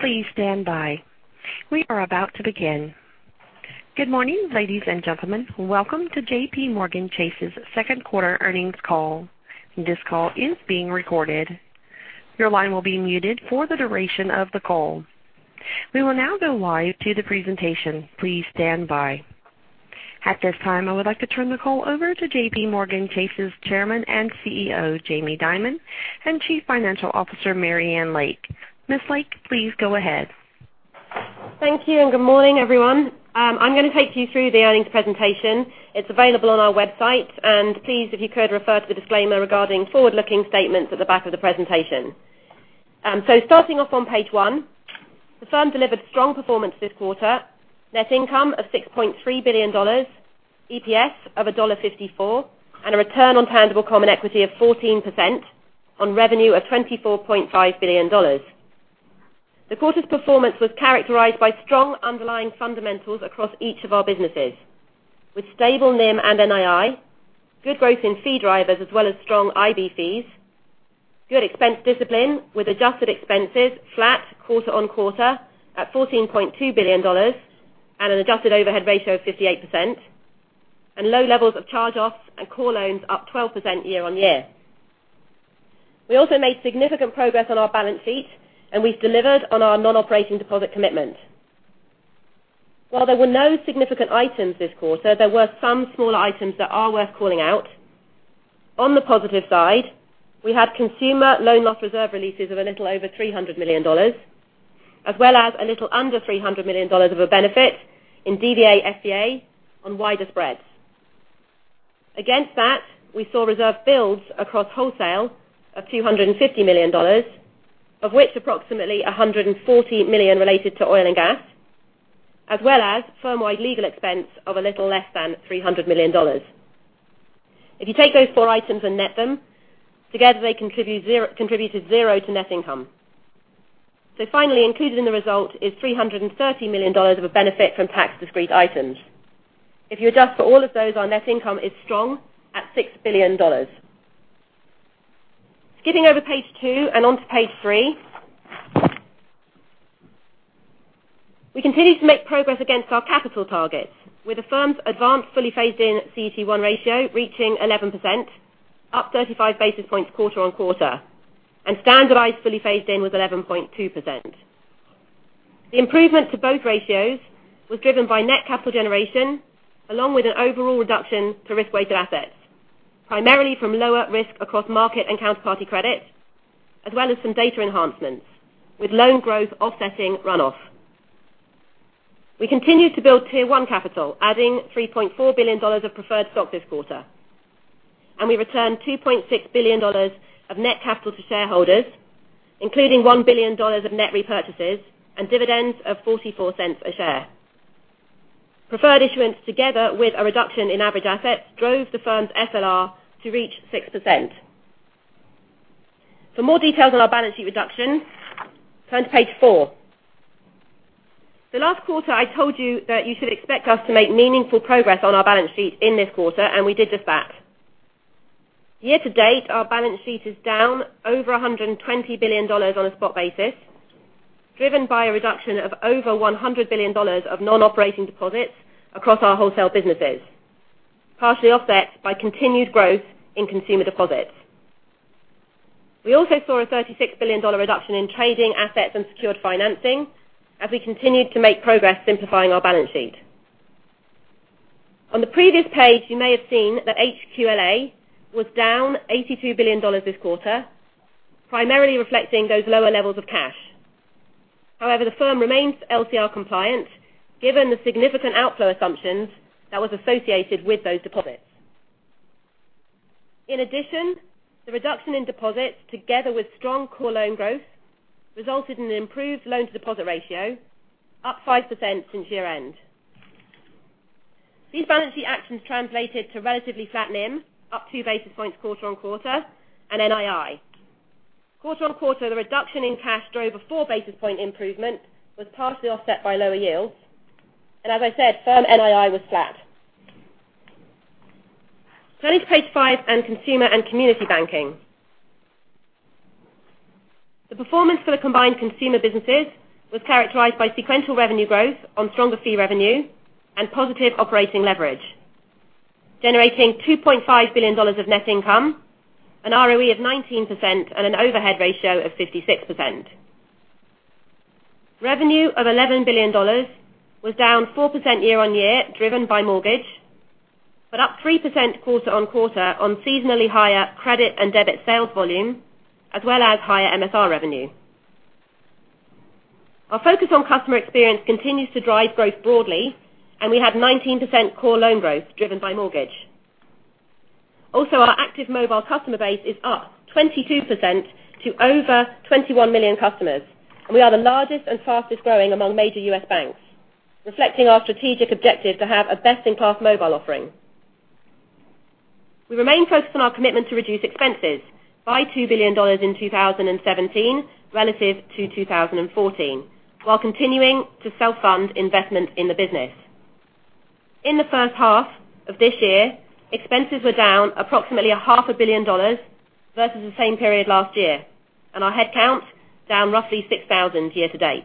Please stand by. We are about to begin. Good morning, ladies and gentlemen. Welcome to JPMorgan Chase's second quarter earnings call. This call is being recorded. Your line will be muted for the duration of the call. We will now go live to the presentation. Please stand by. At this time, I would like to turn the call over to JPMorgan Chase's Chairman and CEO, Jamie Dimon, and Chief Financial Officer, Marianne Lake. Ms. Lake, please go ahead. Thank you. Good morning, everyone. I'm going to take you through the earnings presentation. It's available on our website. Please, if you could refer to the disclaimer regarding forward-looking statements at the back of the presentation. Starting off on page one, the firm delivered strong performance this quarter. Net income of $6.3 billion, EPS of $1.54, and a return on tangible common equity of 14% on revenue of $24.5 billion. The quarter's performance was characterized by strong underlying fundamentals across each of our businesses. With stable NIM and NII, good growth in fee drivers as well as strong IB fees, good expense discipline with adjusted expenses flat quarter-on-quarter at $14.2 billion and an adjusted overhead ratio of 58%, and low levels of charge-offs and core loans up 12% year-on-year. We also made significant progress on our balance sheet. We've delivered on our non-operating deposit commitment. While there were no significant items this quarter, there were some smaller items that are worth calling out. On the positive side, we had consumer loan loss reserve releases of a little over $300 million, as well as a little under $300 million of a benefit in DVA/FVA on wider spreads. Against that, we saw reserve builds across wholesale of $250 million, of which approximately $140 million related to oil and gas, as well as firm-wide legal expense of a little less than $300 million. If you take those four items and net them, together they contributed zero to net income. Finally, included in the result is $330 million of a benefit from tax discrete items. If you adjust for all of those, our net income is strong at $6 billion. Skipping over page two and on to page three. We continue to make progress against our capital targets with the firm's advanced fully phased in CET1 ratio reaching 11%, up 35 basis points quarter-on-quarter, and standardized fully phased in was 11.2%. The improvement to both ratios was driven by net capital generation, along with an overall reduction to risk-weighted assets, primarily from lower risk across market and counterparty credits, as well as some data enhancements, with loan growth offsetting run-off. We continued to build Tier 1 capital, adding $3.4 billion of preferred stock this quarter. We returned $2.6 billion of net capital to shareholders, including $1 billion of net repurchases and dividends of $0.44 a share. Preferred issuance together with a reduction in average assets drove the firm's FLR to reach 6%. For more details on our balance sheet reduction, turn to page four. Last quarter, I told you that you should expect us to make meaningful progress on our balance sheet in this quarter, and we did just that. Year-to-date, our balance sheet is down over $120 billion on a spot basis, driven by a reduction of over $100 billion of non-operating deposits across our wholesale businesses, partially offset by continued growth in consumer deposits. We also saw a $36 billion reduction in trading assets and secured financing as we continued to make progress simplifying our balance sheet. On the previous page, you may have seen that HQLA was down $82 billion this quarter, primarily reflecting those lower levels of cash. However, the firm remains LCR compliant, given the significant outflow assumptions that was associated with those deposits. In addition, the reduction in deposits, together with strong core loan growth, resulted in an improved loan-to-deposit ratio, up 5% since year-end. These balance sheet actions translated to relatively flat NIM, up two basis points quarter-on-quarter, and NII. Quarter-on-quarter, the reduction in cash drove a four basis point improvement, was partially offset by lower yields. As I said, firm NII was flat. Turning to page five on Consumer & Community Banking. The performance for the combined consumer businesses was characterized by sequential revenue growth on stronger fee revenue and positive operating leverage, generating $2.5 billion of net income, an ROE of 19%, and an overhead ratio of 56%. Revenue of $11 billion was down 4% year-on-year, driven by mortgage, but up 3% quarter-on-quarter on seasonally higher credit and debit sales volume, as well as higher MSR revenue. Our focus on customer experience continues to drive growth broadly, and we have 19% core loan growth driven by mortgage. Also, our active mobile customer base is up 22% to over 21 million customers, and we are the largest and fastest growing among major U.S. banks, reflecting our strategic objective to have a best-in-class mobile offering. We remain focused on our commitment to reduce expenses by $2 billion in 2017 relative to 2014, while continuing to self-fund investment in the business. In the first half of this year, expenses were down approximately a half a billion dollars versus the same period last year, and our head count, down roughly 6,000 year-to-date.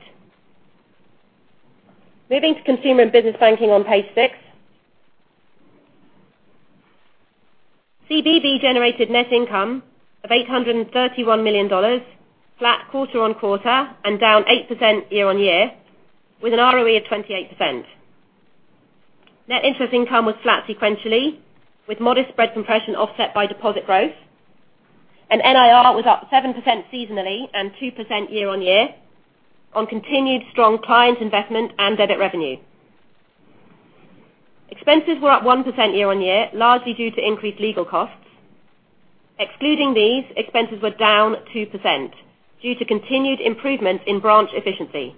Moving to Consumer & Business Banking on page six. CBB generated net income of $831 million, flat quarter-on-quarter, and down 8% year-on-year, with an ROE of 28%. Net interest income was flat sequentially, with modest spread compression offset by deposit growth, and NIR was up 7% seasonally and 2% year-on-year on continued strong client investment and debit revenue. Expenses were up 1% year-on-year, largely due to increased legal costs. Excluding these, expenses were down 2% due to continued improvement in branch efficiency.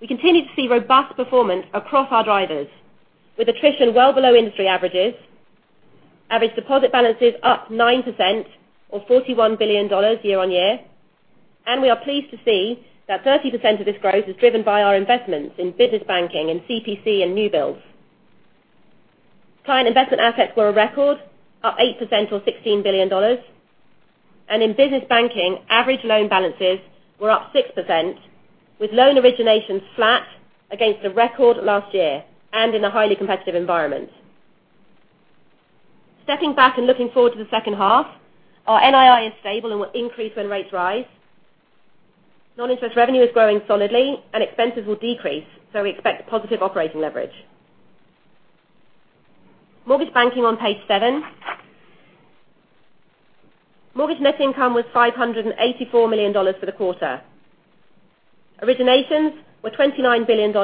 We continue to see robust performance across our drivers with attrition well below industry averages, average deposit balances up 9% or $41 billion year-on-year, and we are pleased to see that 30% of this growth is driven by our investments in business banking and CPC and new builds. Client investment assets were a record, up 8% or $16 billion. In business banking, average loan balances were up 6%, with loan originations flat against a record last year, and in a highly competitive environment. Stepping back and looking forward to the second half, our NII is stable and will increase when rates rise. Non-interest revenue is growing solidly and expenses will decrease. We expect positive operating leverage. Mortgage Banking on page seven. Mortgage net income was $584 million for the quarter. Originations were $29 billion,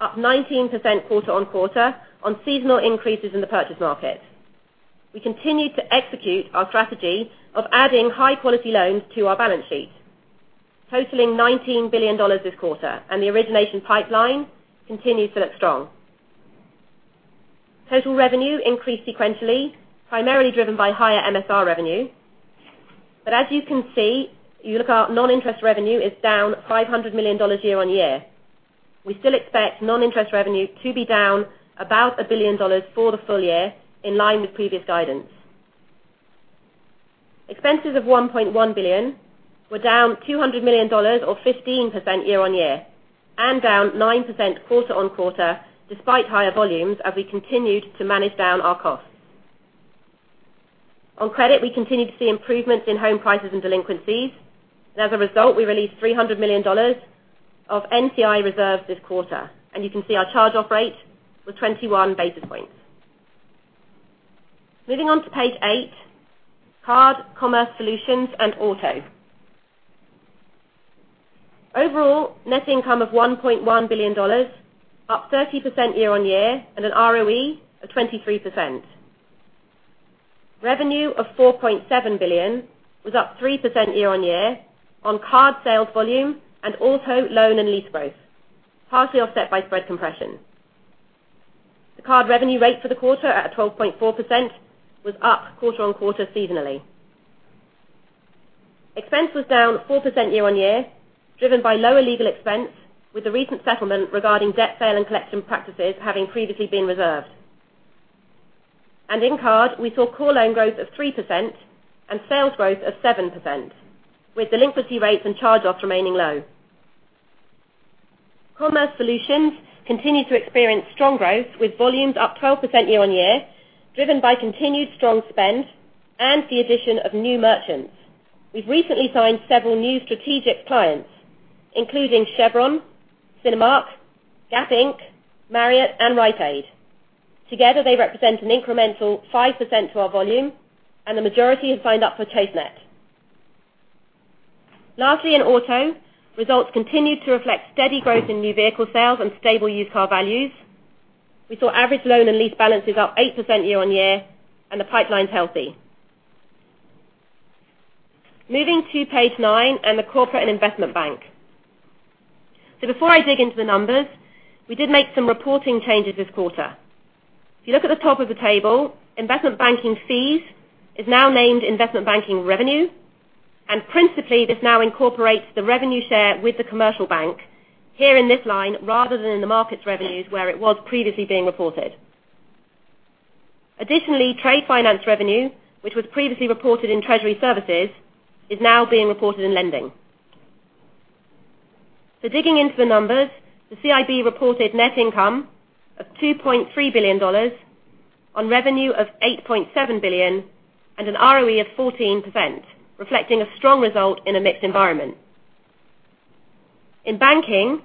up 19% quarter-on-quarter on seasonal increases in the purchase market. We continued to execute our strategy of adding high-quality loans to our balance sheet, totaling $19 billion this quarter, and the origination pipeline continues to look strong. Total revenue increased sequentially, primarily driven by higher MSR revenue. As you can see, you look at our non-interest revenue is down $500 million year-on-year. We still expect non-interest revenue to be down about $1 billion for the full year, in line with previous guidance. Expenses of $1.1 billion were down $200 million or 15% year-on-year, down 9% quarter-on-quarter despite higher volumes as we continued to manage down our costs. On credit, we continued to see improvements in home prices and delinquencies. As a result, we released $300 million of NCI reserves this quarter, and you can see our charge-off rate was 21 basis points. Moving on to page eight, Card, Commerce Solutions, and Auto. Overall, net income of $1.1 billion, up 30% year-on-year, and an ROE of 23%. Revenue of $4.7 billion was up 3% year-on-year on card sales volume and auto loan and lease growth, partially offset by spread compression. The card revenue rate for the quarter at 12.4% was up quarter-on-quarter seasonally. Expense was down 4% year-on-year, driven by lower legal expense, with the recent settlement regarding debt sale and collection practices having previously been reserved. In Card, we saw core loan growth of 3% and sales growth of 7%, with delinquency rates and charge-offs remaining low. Commerce Solutions continued to experience strong growth, with volumes up 12% year-on-year, driven by continued strong spend and the addition of new merchants. We've recently signed several new strategic clients, including Chevron, Cinemark, Gap Inc., Marriott, and Rite Aid. Together, they represent an incremental 5% to our volume, and the majority have signed up for ChaseNet. Lastly, in Auto, results continued to reflect steady growth in new vehicle sales and stable used car values. We saw average loan and lease balances up 8% year-on-year, and the pipeline's healthy. Moving to page nine and the Corporate & Investment Bank. Before I dig into the numbers, we did make some reporting changes this quarter. If you look at the top of the table, Investment Banking Fees is now named Investment Banking Revenue, and principally, this now incorporates the revenue share with the commercial bank here in this line rather than in the markets revenues where it was previously being reported. Additionally, Trade Finance revenue, which was previously reported in Treasury Services, is now being reported in Lending. Digging into the numbers, the CIB reported net income of $2.3 billion on revenue of $8.7 billion and an ROE of 14%, reflecting a strong result in a mixed environment. In banking,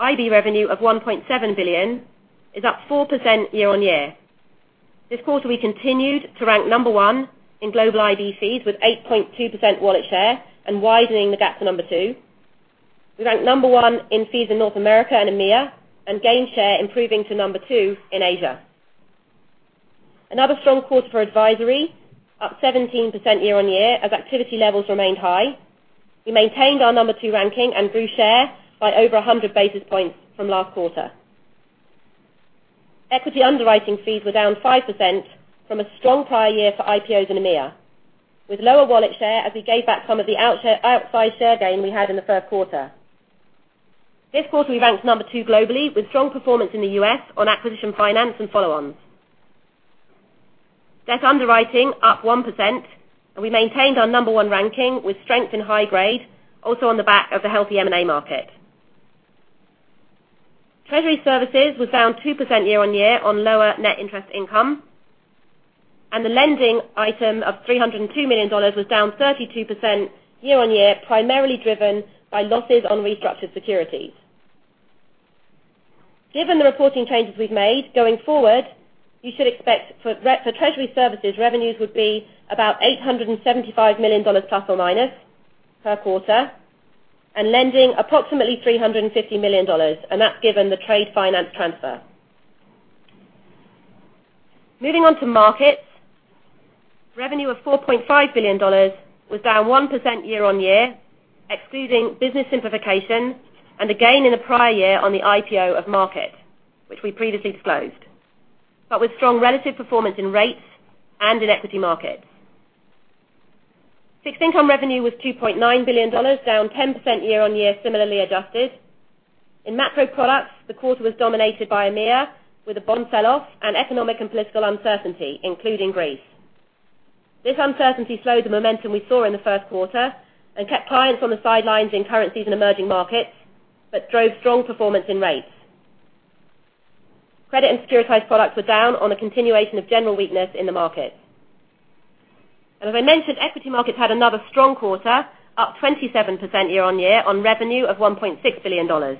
IB revenue of $1.7 billion is up 4% year-on-year. This quarter, we continued to rank number one in global IB fees with 8.2% wallet share and widening the gap to number two. We ranked number one in fees in North America and EMEA, and gained share improving to number two in Asia. Another strong quarter for advisory, up 17% year-on-year as activity levels remained high. We maintained our number two ranking and grew share by over 100 basis points from last quarter. Equity underwriting fees were down 5% from a strong prior year for IPOs in EMEA. With lower wallet share, as we gave back some of the outsized share gain we had in the first quarter. This quarter, we ranked number two globally with strong performance in the U.S. on acquisition finance and follow-ons. Net underwriting up 1%, we maintained our number one ranking with strength in high grade, also on the back of the healthy M&A market. Treasury Services was down 2% year-on-year on lower net interest income, the lending item of $302 million was down 32% year-on-year, primarily driven by losses on restructured securities. Given the reporting changes we've made, going forward, you should expect for Treasury Services, revenues would be about $875 million ± per quarter, and lending approximately $350 million. That's given the trade finance transfer. Moving on to markets. Revenue of $4.5 billion was down 1% year-on-year, excluding business simplification and a gain in the prior year on the IPO of Markit, which we previously disclosed, but with strong relative performance in rates and in equity markets. Fixed income revenue was $2.9 billion, down 10% year-on-year, similarly adjusted. In macro products, the quarter was dominated by EMEA, with a bond sell-off and economic and political uncertainty, including Greece. This uncertainty slowed the momentum we saw in the first quarter and kept clients on the sidelines in currencies and emerging markets, but drove strong performance in rates. Credit and securitized products were down on a continuation of general weakness in the markets. As I mentioned, equity markets had another strong quarter, up 27% year-on-year on revenue of $1.6 billion,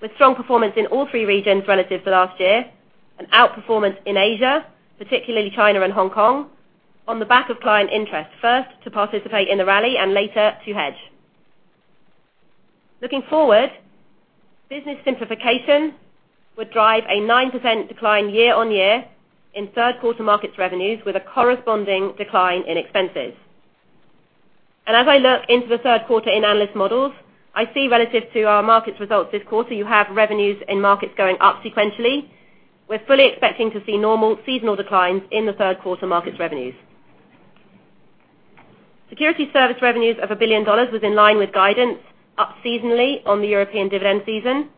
with strong performance in all three regions relative to last year and outperformance in Asia, particularly China and Hong Kong, on the back of client interest, first to participate in the rally and later to hedge. Looking forward, business simplification would drive a 9% decline year-on-year in third quarter markets revenues with a corresponding decline in expenses. As I look into the third quarter in analyst models, I see relative to our markets results this quarter, you have revenues in markets going up sequentially. We're fully expecting to see normal seasonal declines in the third quarter markets revenues. Securities service revenues of $1 billion was in line with guidance, up seasonally on the European dividend season.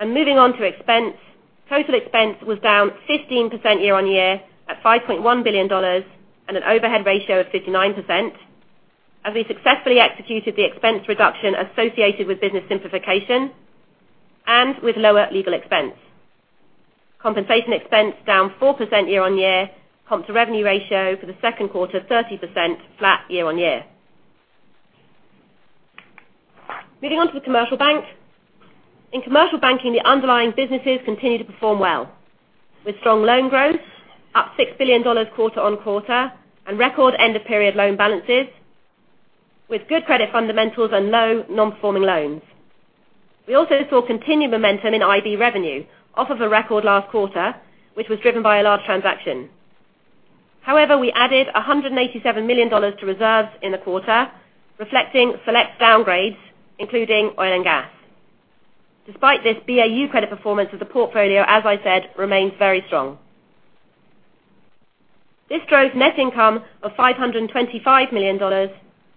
Moving on to expense. Total expense was down 15% year-on-year at $5.1 billion and an overhead ratio of 59%, as we successfully executed the expense reduction associated with business simplification and with lower legal expense. Compensation expense down 4% year-on-year. Comp to revenue ratio for the second quarter, 30% flat year-on-year. Moving on to the commercial bank. In commercial banking, the underlying businesses continue to perform well, with strong loan growth up $6 billion quarter-on-quarter, and record end-of-period loan balances with good credit fundamentals and low non-performing loans. We also saw continued momentum in IB revenue off of a record last quarter, which was driven by a large transaction. However, we added $187 million to reserves in the quarter, reflecting select downgrades, including oil and gas. Despite this, BAU credit performance as a portfolio, as I said, remains very strong. This drove net income of $525 million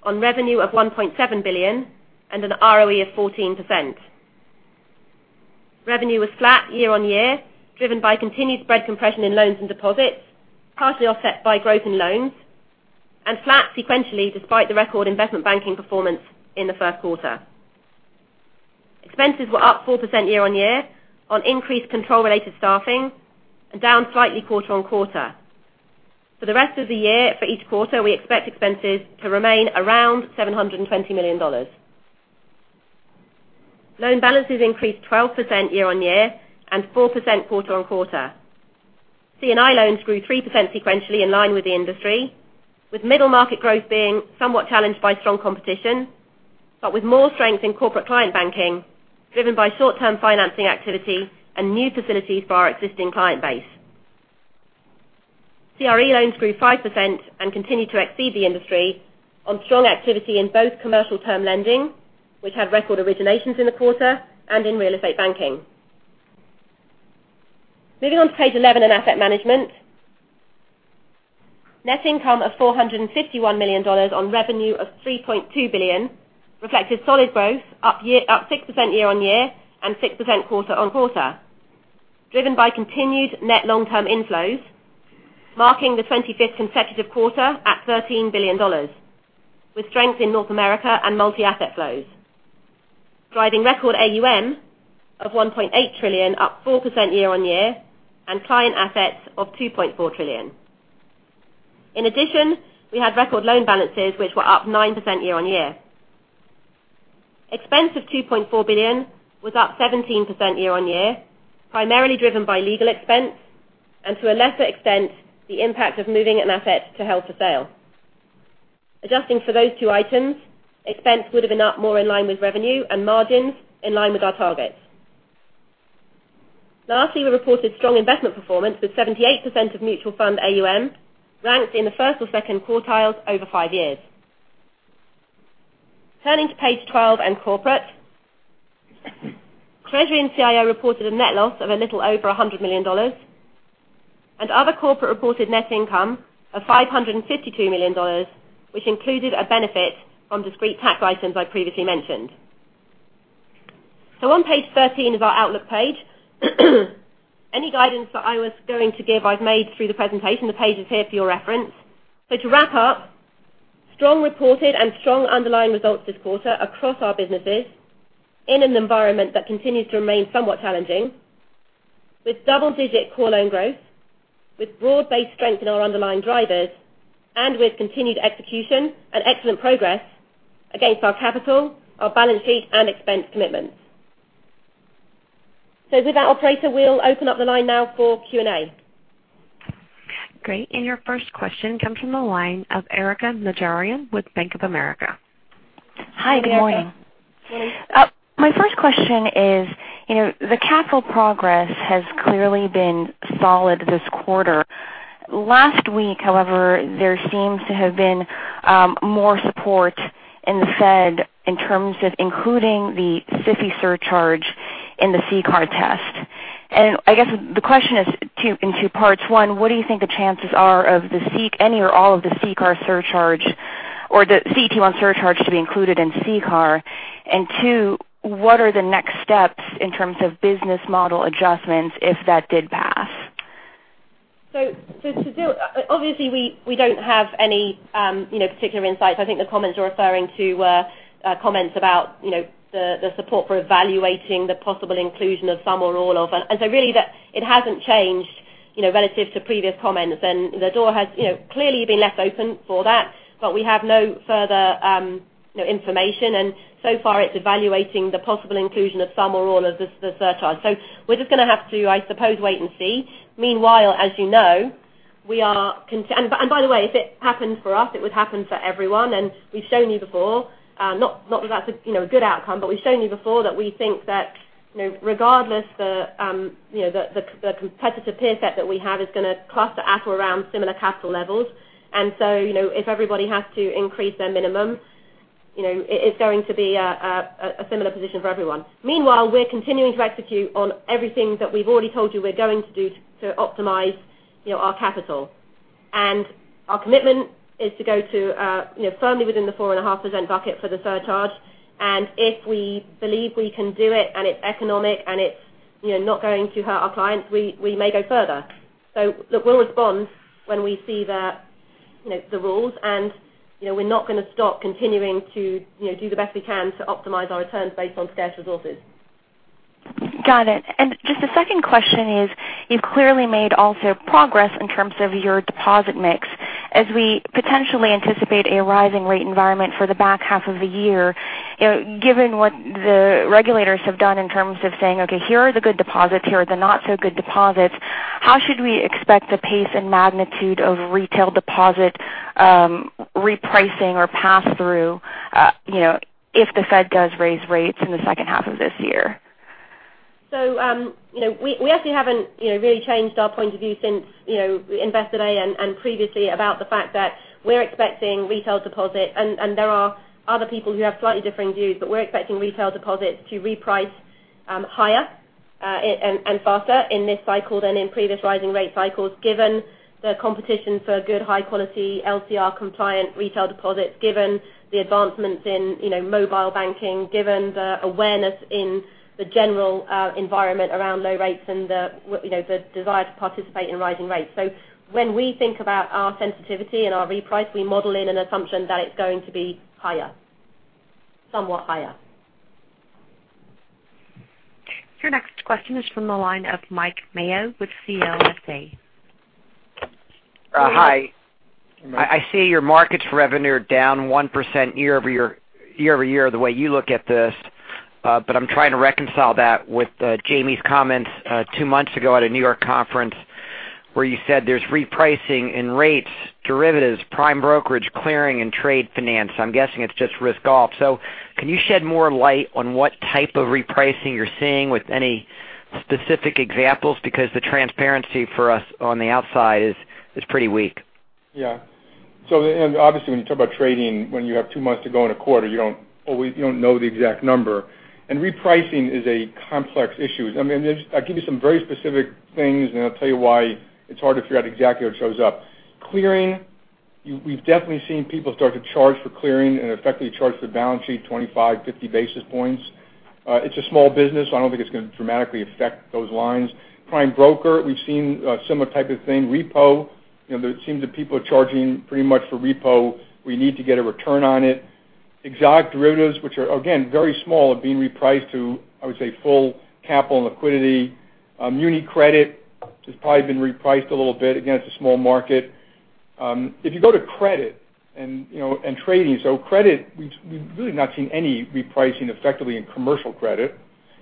on revenue of $1.7 billion and an ROE of 14%. Revenue was flat year-on-year, driven by continued spread compression in loans and deposits, partially offset by growth in loans, and flat sequentially despite the record investment banking performance in the first quarter. Expenses were up 4% year-on-year on increased control-related staffing and down slightly quarter-on-quarter. For the rest of the year, for each quarter, we expect expenses to remain around $720 million. Loan balances increased 12% year-on-year and 4% quarter-on-quarter. C&I loans grew 3% sequentially in line with the industry, with middle market growth being somewhat challenged by strong competition, but with more strength in corporate client banking, driven by short-term financing activity and new facilities for our existing client base. CRE loans grew 5% and continued to exceed the industry on strong activity in both commercial term lending, which had record originations in the quarter and in real estate banking. Moving on to page 11 in asset management. Net income of $451 million on revenue of $3.2 billion reflected solid growth up 6% year-on-year and 6% quarter-on-quarter, driven by continued net long-term inflows, marking the 25th consecutive quarter at $13 billion, with strength in North America and multi-asset flows. Driving record AUM of $1.8 trillion up 4% year-on-year, and client assets of $2.4 trillion. In addition, we had record loan balances, which were up 9% year-on-year. Expense of $2.4 billion was up 17% year-on-year, primarily driven by legal expense and to a lesser extent, the impact of moving an asset to held for sale. Adjusting for those two items, expense would have been up more in line with revenue and margins in line with our targets. Lastly, we reported strong investment performance with 78% of mutual fund AUM ranked in the first or second quartiles over five years. Turning to page 12 and corporate, Treasury and CIO reported a net loss of a little over $100 million. Other corporate reported net income of $552 million, which included a benefit from discrete tax items I previously mentioned. On page 13 is our outlook page. Any guidance that I was going to give, I've made through the presentation. The page is here for your reference. To wrap up, strong reported and strong underlying results this quarter across our businesses in an environment that continues to remain somewhat challenging. With double-digit core loan growth, with broad-based strength in our underlying drivers, and with continued execution and excellent progress against our capital, our balance sheet, and expense commitments. With that operator, we'll open up the line now for Q&A. Great. Your first question comes from the line of Erika Najarian with Bank of America. Hi, good morning. Good morning. My first question is, the capital progress has clearly been solid this quarter. Last week, however, there seems to have been more support in the Fed in terms of including the SIFI surcharge in the CCAR test. I guess the question is in 2 parts. 1, what do you think the chances are of any or all of the CCAR surcharge or the CET1 surcharge to be included in CCAR? 2, what are the next steps in terms of business model adjustments if that did pass? Obviously, we don't have any particular insights. I think the comments you're referring to are comments about the support for evaluating the possible inclusion of some or all of. Really, it hasn't changed relative to previous comments. The door has clearly been left open for that, but we have no further information. So far, it's evaluating the possible inclusion of some or all of the surcharge. We're just going to have to, I suppose, wait and see. By the way, if it happened for us, it would happen for everyone. We've shown you before, not that that's a good outcome, but we've shown you before that we think that regardless the competitive peer set that we have is going to cluster at or around similar capital levels. If everybody has to increase their minimum, it is going to be a similar position for everyone. Meanwhile, we're continuing to execute on everything that we've already told you we're going to do to optimize our capital. Our commitment is to go to firmly within the 4.5% bucket for the surcharge. If we believe we can do it, and it's economic, and it's not going to hurt our clients, we may go further. Look, we'll respond when we see the rules, and we're not going to stop continuing to do the best we can to optimize our returns based on scarce resources. Got it. Just the second question is, you've clearly made also progress in terms of your deposit mix. As we potentially anticipate a rising rate environment for the back half of the year, given what the regulators have done in terms of saying, "Okay, here are the good deposits, here are the not so good deposits," how should we expect the pace and magnitude of retail deposit repricing or pass-through if the Fed does raise rates in the second half of this year? We actually haven't really changed our point of view since Investor Day and previously about the fact that we're expecting retail deposits. There are other people who have slightly differing views, but we're expecting retail deposits to reprice higher and faster in this cycle than in previous rising rate cycles. Given the competition for good high quality LCR compliant retail deposits, given the advancements in mobile banking, given the awareness in the general environment around low rates and the desire to participate in rising rates. When we think about our sensitivity and our reprice, we model in an assumption that it's going to be higher, somewhat higher. Your next question is from the line of Mike Mayo with CLSA. Hi. Hi. I see your markets revenue are down 1% year-over-year, the way you look at this. I'm trying to reconcile that with Jamie's comments two months ago at a New York conference where you said there's repricing in rates, derivatives, prime brokerage, clearing, and trade finance. I'm guessing it's just risk off. Can you shed more light on what type of repricing you're seeing with any specific examples? The transparency for us on the outside is pretty weak. Yeah. Obviously, when you talk about trading, when you have two months to go in a quarter you don't know the exact number. Repricing is a complex issue. I'll give you some very specific things, and I'll tell you why it's hard to figure out exactly what shows up. Clearing, we've definitely seen people start to charge for clearing and effectively charge their balance sheet 25, 50 basis points. It's a small business. I don't think it's going to dramatically affect those lines. Prime broker, we've seen a similar type of thing. Repo, it seems that people are charging pretty much for repo. We need to get a return on it. Exotic derivatives, which are, again, very small, are being repriced to, I would say, full capital and liquidity. Muni credit has probably been repriced a little bit. Again, it's a small market. If you go to credit and trading. Credit, we've really not seen any repricing effectively in commercial credit.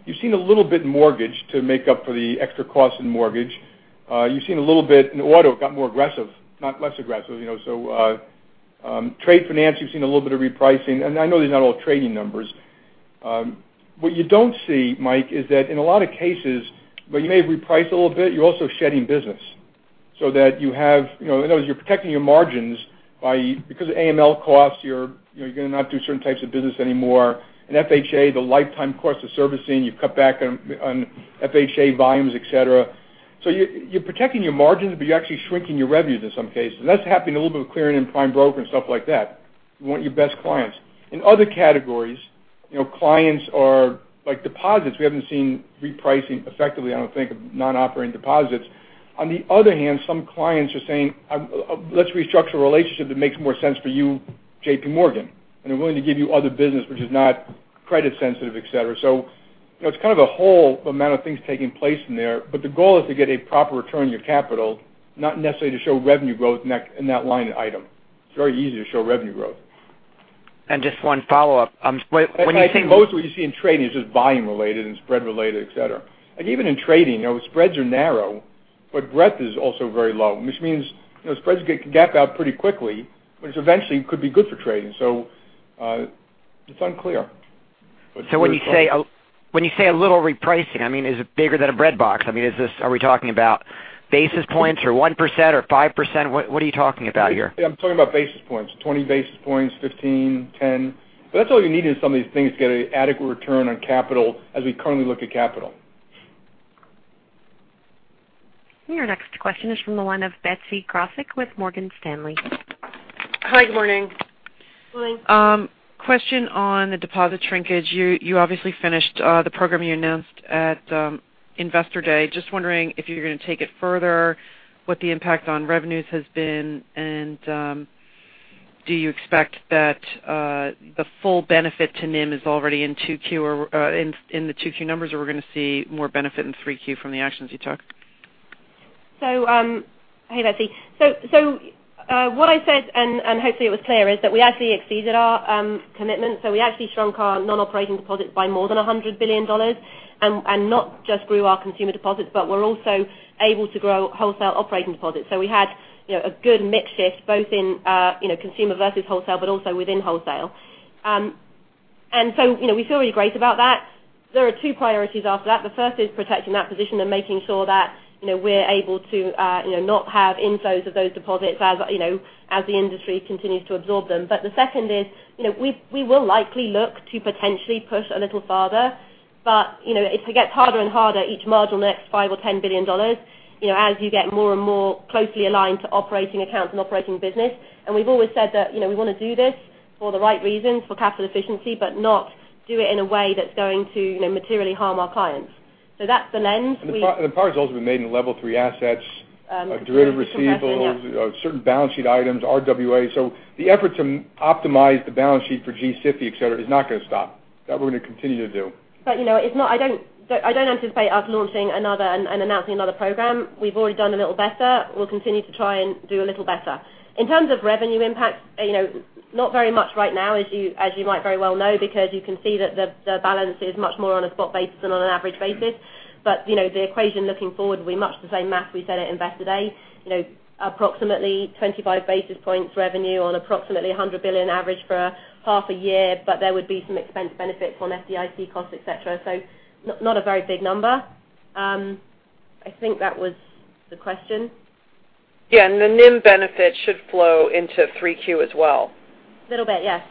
You've seen a little bit in mortgage to make up for the extra cost in mortgage. You've seen a little bit in auto. It got more aggressive, not less aggressive. Trade finance, you've seen a little bit of repricing. I know these are not all trading numbers. What you don't see, Mike, is that in a lot of cases where you may have repriced a little bit, you're also shedding business. In other words, you're protecting your margins by, because of AML costs, you're going to not do certain types of business anymore. In FHA, the lifetime cost of servicing, you've cut back on FHA volumes, et cetera. You're protecting your margins, but you're actually shrinking your revenues in some cases. That's happening a little bit with clearing and prime broker and stuff like that. You want your best clients. In other categories, clients are like deposits. We haven't seen repricing effectively, I don't think of non-operating deposits. On the other hand, some clients are saying, "Let's restructure a relationship that makes more sense for you, JPMorgan, and I'm willing to give you other business which is not credit sensitive, et cetera." It's kind of a whole amount of things taking place in there. The goal is to get a proper return on your capital, not necessarily to show revenue growth in that line item. It's very easy to show revenue growth. Just one follow-up. I think most what you see in trading is just volume related and spread related, et cetera. Like even in trading, spreads are narrow, but breadth is also very low, which means spreads can gap out pretty quickly, which eventually could be good for trading. It's unclear. When you say a little repricing, I mean, is it bigger than a bread box? I mean, are we talking about basis points or 1% or 5%? What are you talking about here? Yeah, I'm talking about basis points, 20 basis points, 15, 10. That's all you need in some of these things to get an adequate return on capital, as we currently look at capital. Your next question is from the line of Betsy Graseck with Morgan Stanley. Hi, good morning. Good morning. Question on the deposit shrinkage. You obviously finished the program you announced at Investor Day. Just wondering if you're going to take it further, what the impact on revenues has been, and do you expect that the full benefit to NIM is already in the 2Q numbers or we're going to see more benefit in 3Q from the actions you took? Hey, Betsy. What I said, and hopefully it was clear, is that we actually exceeded our commitment. We actually shrunk our non-operating deposits by more than $100 billion and not just grew our consumer deposits, but we're also able to grow wholesale operating deposits. We had a good mix shift both in consumer versus wholesale, but also within wholesale. We feel really great about that. There are two priorities after that. The first is protecting that position and making sure that we're able to not have inflows of those deposits as the industry continues to absorb them. The second is, we will likely look to potentially push a little farther, but it gets harder and harder each marginal next $5 billion or $10 billion, as you get more and more closely aligned to operating accounts and operating business. We've always said that we want to do this for the right reasons, for capital efficiency, but not do it in a way that's going to materially harm our clients. That's the lens we. The progress has also been made in level 3 assets. Sure derivative receivables. Confirm, yeah. certain balance sheet items, RWA. The effort to optimize the balance sheet for G-SIFI, et cetera, is not going to stop. That we're going to continue to do. I don't anticipate us launching another and announcing another program. We've already done a little better. We'll continue to try and do a little better. In terms of revenue impact, not very much right now as you might very well know because you can see that the balance is much more on a spot basis than on an average basis. The equation looking forward will be much the same math we said at Investor Day. Approximately 25 basis points revenue on approximately $100 billion average for half a year, there would be some expense benefits on FDIC costs, et cetera. Not a very big number. I think that was the question. The NIM benefit should flow into 3Q as well. Little bit, yes.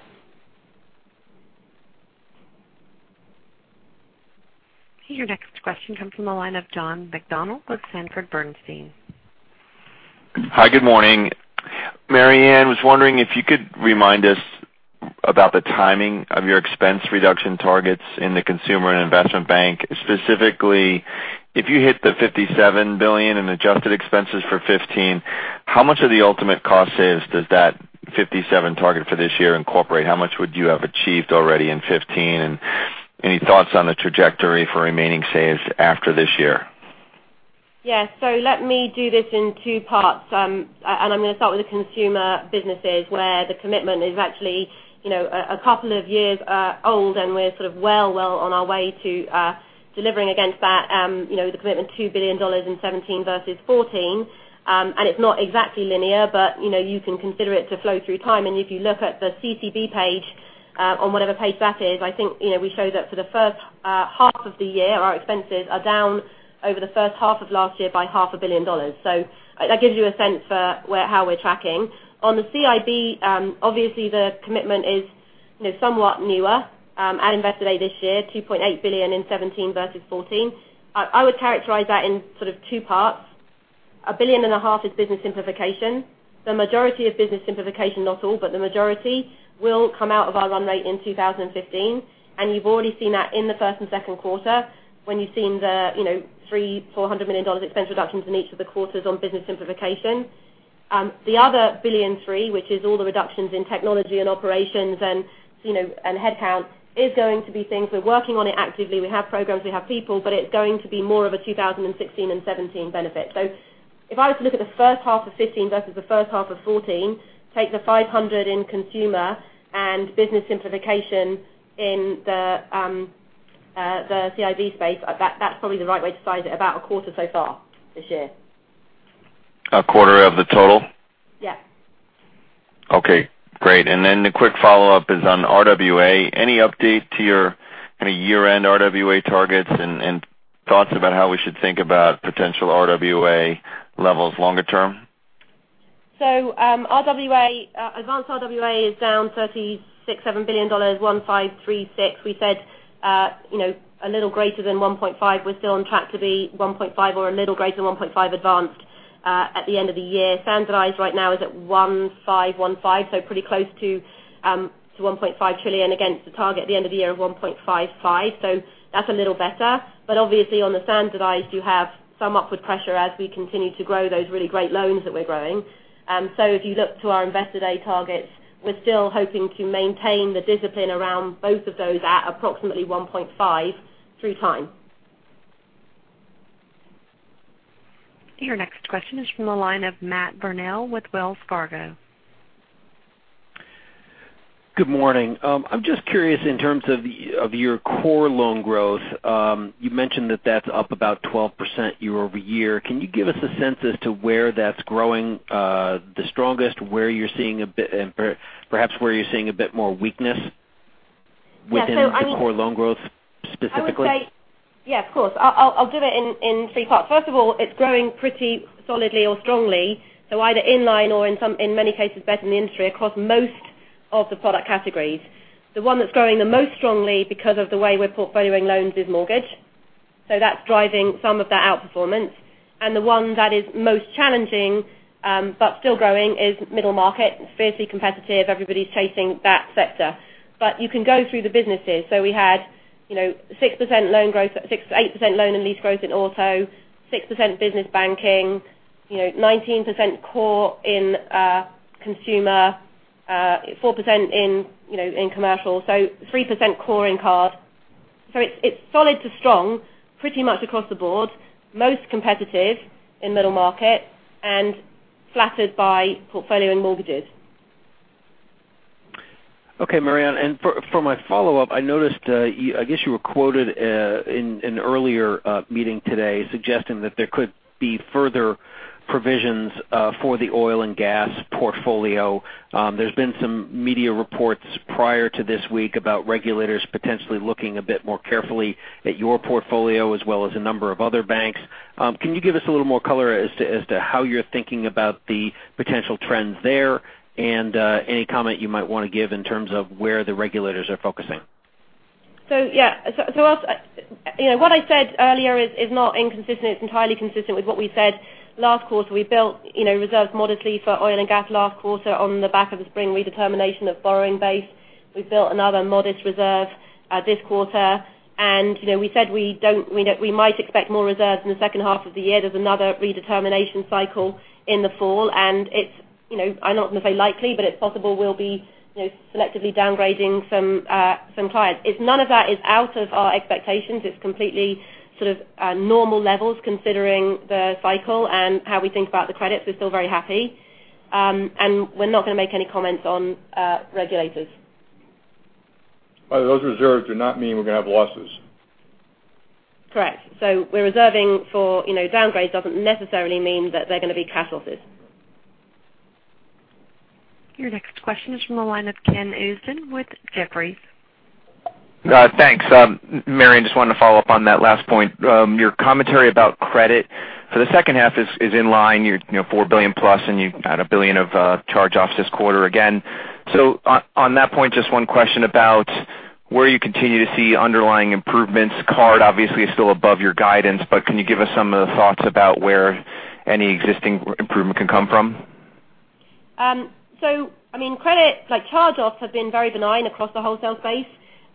Your next question comes from the line of John McDonald with Sanford Bernstein. Hi, good morning. Marianne, was wondering if you could remind us about the timing of your expense reduction targets in the consumer and investment bank. Specifically, if you hit the $57 billion in adjusted expenses for 2015, how much of the ultimate cost saves does that 57 target for this year incorporate? How much would you have achieved already in 2015? Any thoughts on the trajectory for remaining saves after this year? Let me do this in two parts. I'm going to start with the consumer businesses where the commitment is actually a couple of years old, and we're sort of well on our way to delivering against that. The commitment $2 billion in 2017 versus 2014. It's not exactly linear, but you can consider it to flow through time. If you look at the CCB page on whatever page that is, I think we showed that for the first half of the year, our expenses are down over the first half of last year by half a billion dollars. That gives you a sense for how we're tracking. On the CIB, obviously the commitment is somewhat newer. At Investor Day this year, $2.8 billion in 2017 versus 2014. I would characterize that in sort of two parts. A billion and a half is Business Simplification. The majority of Business Simplification, not all, but the majority will come out of our run rate in 2015. You've already seen that in the first and second quarter when you've seen the $300 million, $400 million expense reductions in each of the quarters on Business Simplification. The other $1.3 billion, which is all the reductions in technology and operations and headcount is going to be things we're working on it actively. We have programs, we have people, it's going to be more of a 2016 and 2017 benefit. If I was to look at the first half of 2015 versus the first half of 2014, take the $500 million in consumer and Business Simplification in the CIB space, that's probably the right way to size it. About a quarter so far this year. A quarter of the total? Yeah. Okay, great. The quick follow-up is on RWA. Any update to your year-end RWA targets and thoughts about how we should think about potential RWA levels longer-term? Advanced RWA is down $36 billion-$37 billion, 1.536. We said a little greater than 1.5. We're still on track to be 1.5 or a little greater than 1.5 advanced at the end of the year. Standardized right now is at 1.515, pretty close to $1.5 trillion against the target at the end of the year of 1.55. That's a little better. Obviously on the standardized, you have some upward pressure as we continue to grow those really great loans that we're growing. If you look to our Investor Day targets, we're still hoping to maintain the discipline around both of those at approximately 1.5 through time. Your next question is from the line of Matt Burnell with Wells Fargo. Good morning. I'm just curious in terms of your core loan growth. You mentioned that that's up about 12% year-over-year. Can you give us a sense as to where that's growing the strongest, perhaps where you're seeing a bit more weakness within- Yeah, I mean. The core loan growth specifically? Yeah, of course. I'll do it in three parts. First of all, it's growing pretty solidly or strongly, so either in line or in many cases, better than the industry across most of the product categories. The one that's growing the most strongly because of the way we're portfolioing loans is mortgage. That's driving some of that outperformance. The one that is most challenging, but still growing, is middle market. It's fiercely competitive. Everybody's chasing that sector. You can go through the businesses. We had 8% loan and lease growth in auto, 6% business banking, 19% core in consumer, 4% in commercial, so 3% core in card. It's solid to strong pretty much across the board, most competitive in middle market and flattered by portfolio and mortgages. Okay, Marianne. For my follow-up, I noticed, I guess you were quoted in an earlier meeting today suggesting that there could be further provisions for the oil and gas portfolio. There's been some media reports prior to this week about regulators potentially looking a bit more carefully at your portfolio as well as a number of other banks. Can you give us a little more color as to how you're thinking about the potential trends there and any comment you might want to give in terms of where the regulators are focusing? Yeah. What I said earlier is not inconsistent. It's entirely consistent with what we said last quarter. We built reserves modestly for oil and gas last quarter on the back of the spring redetermination of borrowing base. We built another modest reserve this quarter. We said we might expect more reserves in the second half of the year. There's another redetermination cycle in the fall, and I'm not going to say likely, but it's possible we'll be selectively downgrading some clients. None of that is out of our expectations. It's completely normal levels considering the cycle and how we think about the credits. We're still very happy. We're not going to make any comments on regulators. By those reserves, do you not mean we're going to have losses? Correct. We're reserving for downgrades doesn't necessarily mean that they're going to be cat losses. Your next question is from the line of Ken Usdin with Jefferies. Thanks. Marianne, just wanted to follow up on that last point. Your commentary about credit for the second half is in line, your $4 billion plus, and you had $1 billion of charge-offs this quarter again. On that point, just one question about where you continue to see underlying improvements. Card obviously is still above your guidance, but can you give us some of the thoughts about where any existing improvement can come from? Credit, like charge-offs, have been very benign across the wholesale space.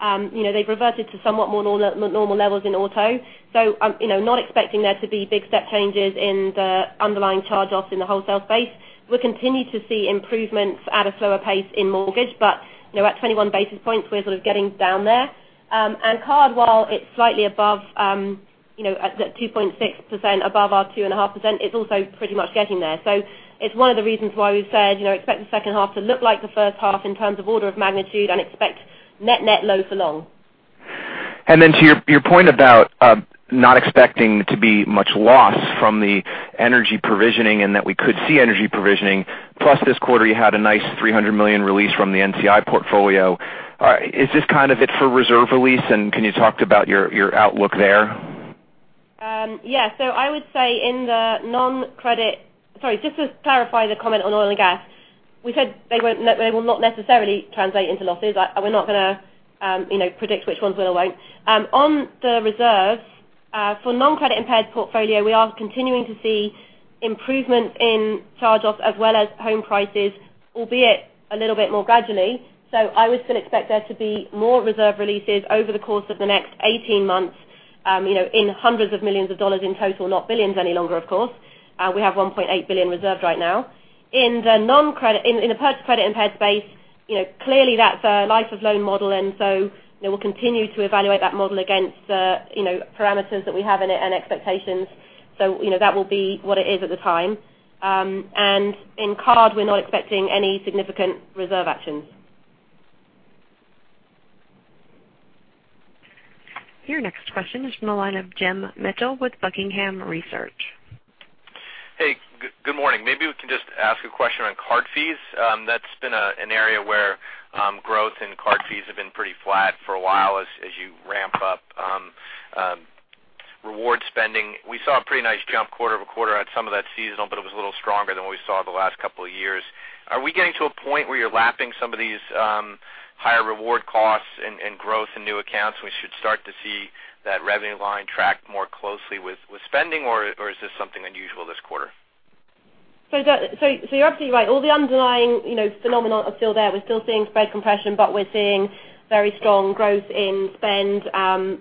They've reverted to somewhat more normal levels in auto. I'm not expecting there to be big step changes in the underlying charge-offs in the wholesale space. We continue to see improvements at a slower pace in mortgage, but at 21 basis points, we're sort of getting down there. Card, while it's slightly above at that 2.6% above our 2.5%, it's also pretty much getting there. It's one of the reasons why we've said, expect the second half to look like the first half in terms of order of magnitude and expect net low for long. To your point about not expecting to be much loss from the energy provisioning and that we could see energy provisioning, plus this quarter you had a nice $300 million release from the NCI portfolio. Is this kind of it for reserve release, and can you talk about your outlook there? Yeah. I would say. Sorry, just to clarify the comment on oil and gas, we said they will not necessarily translate into losses. We're not going to predict which ones will or won't. On the reserves, for non-credit impaired portfolio, we are continuing to see improvement in charge-offs as well as home prices, albeit a little bit more gradually. I would still expect there to be more reserve releases over the course of the next 18 months in hundreds of millions of dollars in total, not billions any longer of course. We have $1.8 billion reserved right now. In the purchased credit-impaired space, clearly that's a life of loan model, we'll continue to evaluate that model against parameters that we have and expectations. That will be what it is at the time. In card, we're not expecting any significant reserve actions. Your next question is from the line of Jim Mitchell with Buckingham Research. Hey, good morning. Maybe we can just ask a question on card fees. That's been an area where growth in card fees have been pretty flat for a while as you ramp up reward spending. We saw a pretty nice jump quarter-over-quarter on some of that seasonal, but it was a little stronger than what we saw the last couple of years. Are we getting to a point where you're lapping some of these higher reward costs and growth in new accounts and we should start to see that revenue line track more closely with spending, or is this something unusual this quarter? You're absolutely right. All the underlying phenomenon are still there. We're still seeing spread compression, but we're seeing very strong growth in spend.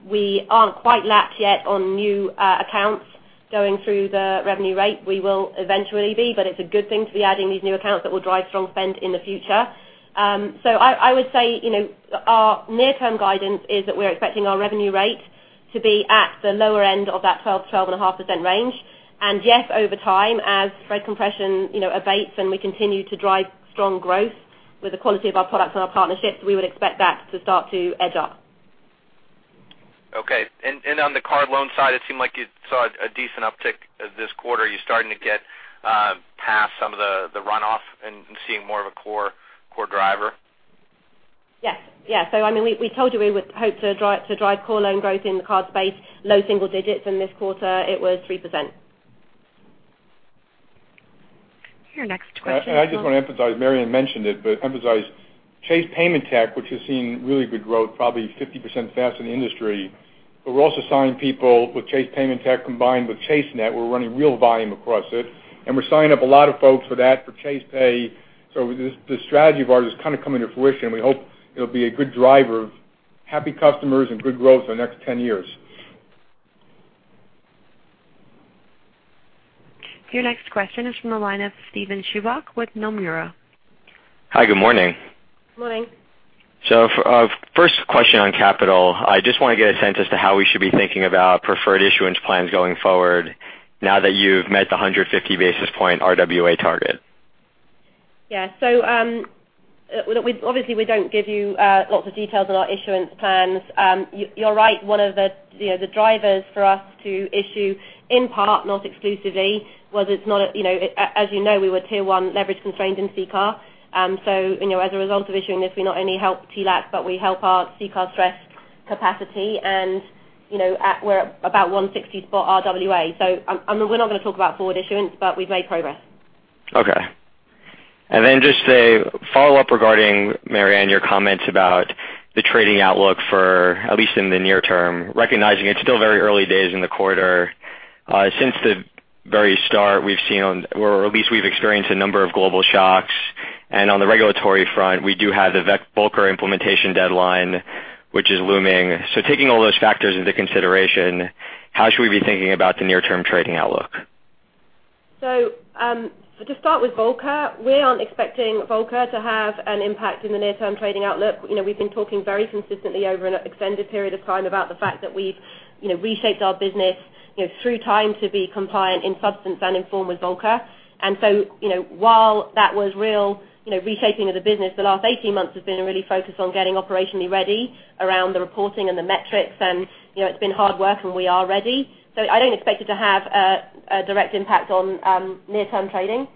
We aren't quite lapped yet on new accounts going through the revenue rate. We will eventually be, but it's a good thing to be adding these new accounts that will drive strong spend in the future. I would say, our near-term guidance is that we're expecting our revenue rate to be at the lower end of that 12%-12.5% range. Yes, over time, as spread compression abates and we continue to drive strong growth with the quality of our products and our partnerships, we would expect that to start to edge up. Okay. On the card loan side, it seemed like you saw a decent uptick this quarter. Are you starting to get past some of the runoff and seeing more of a core driver? Yes. We told you we would hope to drive core loan growth in the card space, low single digits. In this quarter, it was 3%. Your next question- I just want to emphasize, Marianne mentioned it, but emphasize Chase Paymentech, which has seen really good growth, probably 50% faster than the industry, but we're also signing people with Chase Paymentech combined with ChaseNet. We're running real volume across it, and we're signing up a lot of folks for that for Chase Pay. This strategy of ours is kind of coming to fruition. We hope it'll be a good driver of happy customers and good growth for the next 10 years. Your next question is from the line of Steven Chubak with Nomura. Hi, good morning. Morning. First question on capital. I just want to get a sense as to how we should be thinking about preferred issuance plans going forward now that you've met the 150 basis points RWA target. Yeah. Obviously we don't give you lots of details on our issuance plans. You're right. One of the drivers for us to issue, in part, not exclusively, as you know, we were Tier 1 leverage constrained in CCAR. As a result of issuing this, we not only help TLAC, but we help our CCAR stress capacity. We're at about 160 spot RWA. We're not going to talk about forward issuance, but we've made progress. Okay. Then just a follow-up regarding Marianne, your comments about the trading outlook for at least in the near term, recognizing it's still very early days in the quarter. Since the very start, we've seen, or at least we've experienced a number of global shocks, and on the regulatory front, we do have the Volcker implementation deadline, which is looming. Taking all those factors into consideration, how should we be thinking about the near-term trading outlook? To start with Volcker, we aren't expecting Volcker to have an impact in the near-term trading outlook. We've been talking very consistently over an extended period of time about the fact that we've reshaped our business through time to be compliant in substance and in form with Volcker. While that was real reshaping of the business, the last 18 months have been really focused on getting operationally ready around the reporting and the metrics. It's been hard work and we are ready. I don't expect it to have a direct impact on near-term trading.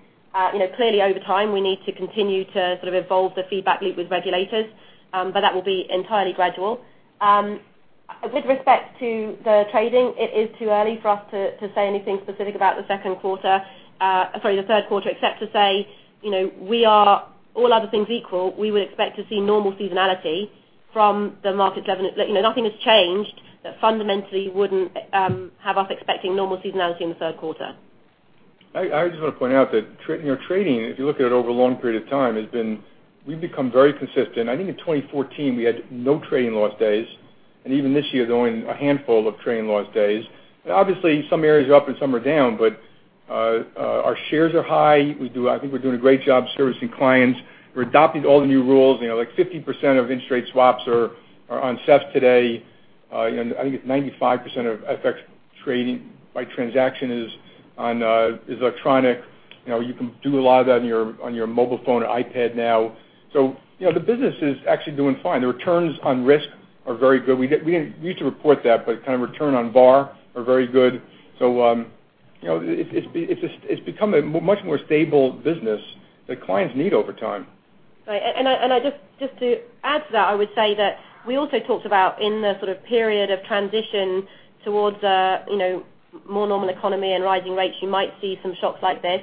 Clearly, over time, we need to continue to sort of evolve the feedback loop with regulators. That will be entirely gradual. With respect to the trading, it is too early for us to say anything specific about the third quarter, except to say, all other things equal, we would expect to see normal seasonality from the market dynamics. Nothing has changed that fundamentally wouldn't have us expecting normal seasonality in the third quarter. I just want to point out that trading, if you look at it over a long period of time, we've become very consistent. I think in 2014, we had no trading loss days, and even this year, there have only been a handful of trading loss days. Obviously, some areas are up and some are down, but our shares are high. I think we're doing a great job servicing clients. We're adopting all the new rules, like 50% of interest rate swaps are on SEF today. I think it's 95% of FX trading by transaction is electronic. You can do a lot of that on your mobile phone or iPad now. The business is actually doing fine. The returns on risk are very good. We used to report that, but kind of return on VaR are very good. It's become a much more stable business that clients need over time. Right. Just to add to that, I would say that we also talked about in the sort of period of transition towards a more normal economy and rising rates, you might see some shocks like this.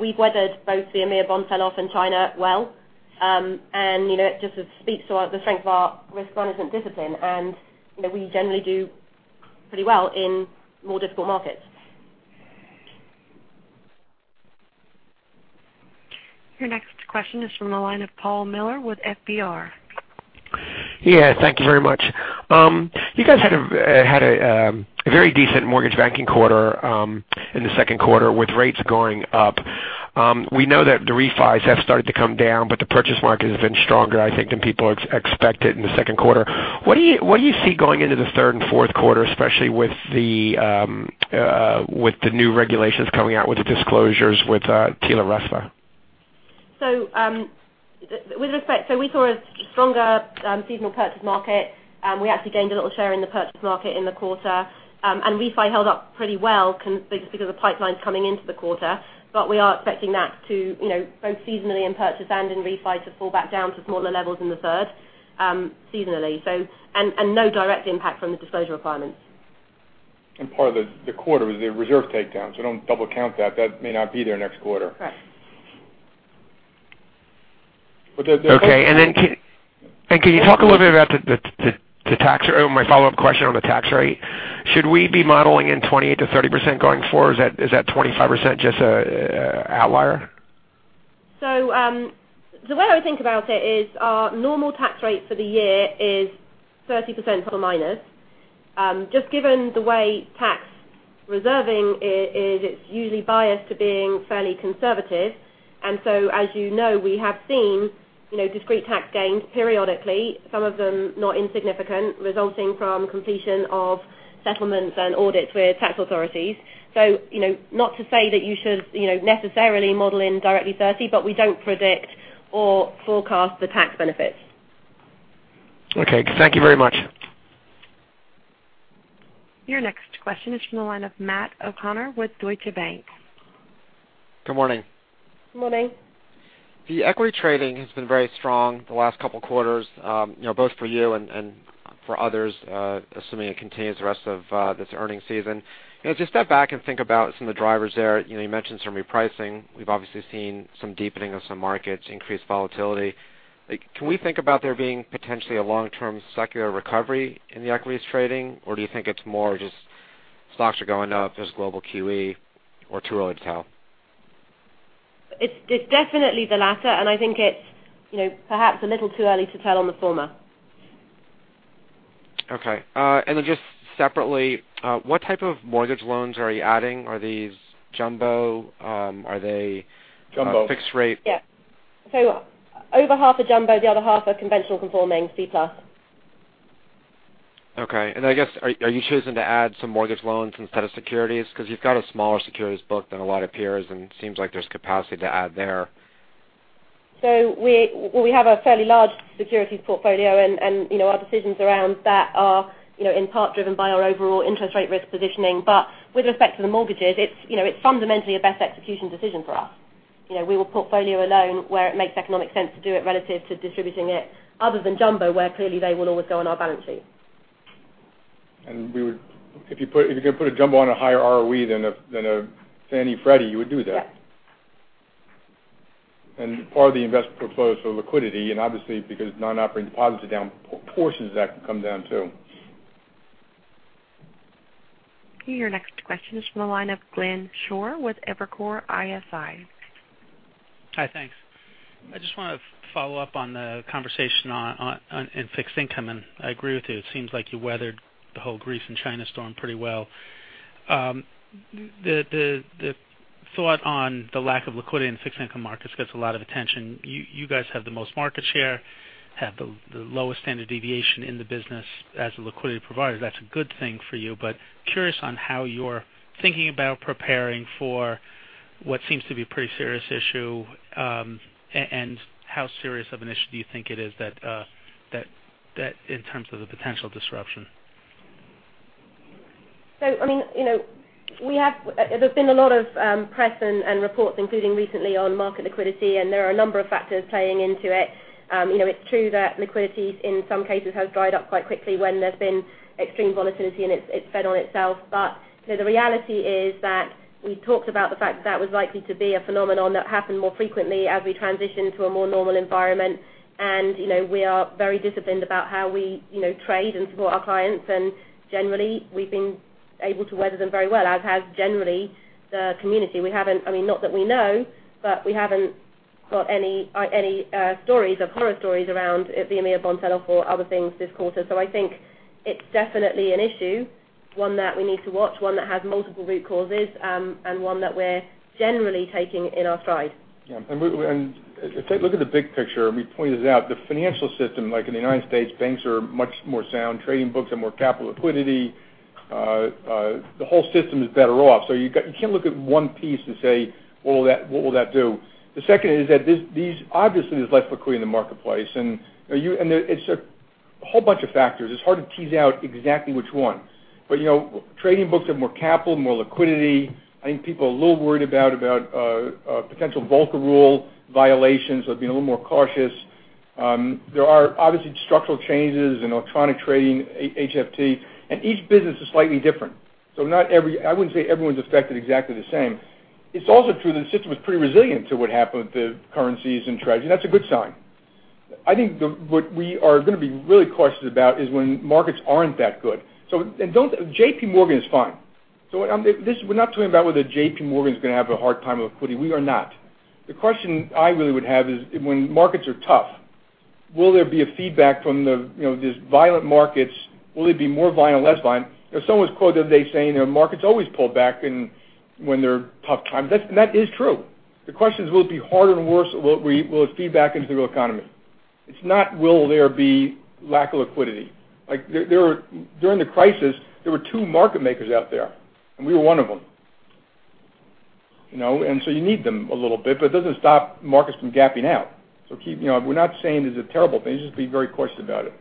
We've weathered both the German bund sell-off and China well. It just speaks to the strength of our risk management discipline. We generally do pretty well in more difficult markets. Your next question is from the line of Paul Miller with FBR. Yeah, thank you very much. You guys had a very decent Mortgage Banking quarter in the second quarter with rates going up. We know that the refis have started to come down, but the purchase market has been stronger, I think, than people expected in the second quarter. What do you see going into the third and fourth quarter, especially with the new regulations coming out with the disclosures with TILA-RESPA? We saw a stronger seasonal purchase market. We actually gained a little share in the purchase market in the quarter. Refi held up pretty well just because of pipelines coming into the quarter. We are expecting that to both seasonally in purchase and in refi to fall back down to smaller levels in the third seasonally. No direct impact from the disclosure requirements. Part of the quarter was the reserve takedown, don't double count that. That may not be there next quarter. Right. But the- Okay. Can you talk a little bit about my follow-up question on the tax rate? Should we be modeling in 28%-30% going forward? Is that 25% just an outlier? The way I would think about it is our normal tax rate for the year is 30% plus or minus. Just given the way tax reserving is, it's usually biased to being fairly conservative. As you know, we have seen discrete tax gains periodically, some of them not insignificant, resulting from completion of settlements and audits with tax authorities. Not to say that you should necessarily model in directly 30%, but we don't predict or forecast the tax benefits. Okay. Thank you very much. Your next question is from the line of Matt O'Connor with Deutsche Bank. Good morning. Good morning. The equity trading has been very strong the last couple of quarters, both for you and for others, assuming it continues the rest of this earning season. To step back and think about some of the drivers there, you mentioned some repricing. We've obviously seen some deepening of some markets, increased volatility. Can we think about there being potentially a long-term secular recovery in the equities trading? Do you think it's more just stocks are going up, there's global QE, or too early to tell? It's definitely the latter, and I think it's perhaps a little too early to tell on the former. Okay. Just separately, what type of mortgage loans are you adding? Are these jumbo? Are they- Jumbo fixed rate? Yeah. Over half are jumbo, the other half are conventional conforming C plus. Okay. I guess, are you choosing to add some mortgage loans instead of securities? You've got a smaller securities book than a lot of peers, and it seems like there's capacity to add there. We have a fairly large securities portfolio, and our decisions around that are in part driven by our overall interest rate risk positioning. With respect to the mortgages, it's fundamentally a best execution decision for us. We will portfolio a loan where it makes economic sense to do it relative to distributing it, other than jumbo, where clearly they will always go on our balance sheet. If you could put a jumbo on a higher ROE than a Fannie Freddie, you would do that. Yeah. part of the investment portfolio is for liquidity, obviously because non-operating deposits are down, portions of that can come down too. Your next question is from the line of Glenn Schorr with Evercore ISI. Hi, thanks. I just want to follow up on the conversation on fixed income, I agree with you. It seems like you weathered the whole Greece and China storm pretty well. The thought on the lack of liquidity in fixed income markets gets a lot of attention. You guys have the most market share, have the lowest standard deviation in the business as a liquidity provider. That's a good thing for you. curious on how you're thinking about preparing for what seems to be a pretty serious issue, and how serious of an issue do you think it is in terms of the potential disruption? there's been a lot of press and reports, including recently on Markit liquidity, there are a number of factors playing into it. It's true that liquidity in some cases has dried up quite quickly when there's been extreme volatility, and it's fed on itself. the reality is that we talked about the fact that that was likely to be a phenomenon that happened more frequently as we transition to a more normal environment. we are very disciplined about how we trade and support our clients. generally, we've been able to weather them very well, as has generally the community. Not that we know, but we haven't got any horror stories around the EMEA bond sell-off or other things this quarter. I think it's definitely an issue, one that we need to watch, one that has multiple root causes, and one that we're generally taking in our stride. Yeah. If you look at the big picture, we pointed this out, the financial system, like in the U.S., banks are much more sound. Trading books have more capital liquidity. The whole system is better off. You can't look at one piece and say, "What will that do?" The second is that obviously there's less liquidity in the marketplace, and it's a whole bunch of factors. It's hard to tease out exactly which one. Trading books have more capital, more liquidity. I think people are a little worried about potential Volcker Rule violations, so being a little more cautious. There are obviously structural changes in electronic trading, HFT, and each business is slightly different. I wouldn't say everyone's affected exactly the same. It's also true that the system is pretty resilient to what happened with the currencies and Treasury. That's a good sign. I think what we are going to be really cautious about is when markets aren't that good. JPMorgan is fine. We're not talking about whether JPMorgan is going to have a hard time with liquidity. We are not. The question I really would have is when markets are tough, will there be a feedback from these violent markets? Will it be more violent or less violent? Someone's quoted as they saying markets always pull back when there are tough times. That is true. The question is, will it be harder and worse? Will it feed back into the real economy? It's not will there be lack of liquidity. During the crisis, there were two market makers out there, and we were one of them. You need them a little bit, but it doesn't stop markets from gapping out. We're not saying this is a terrible thing, just be very cautious about it.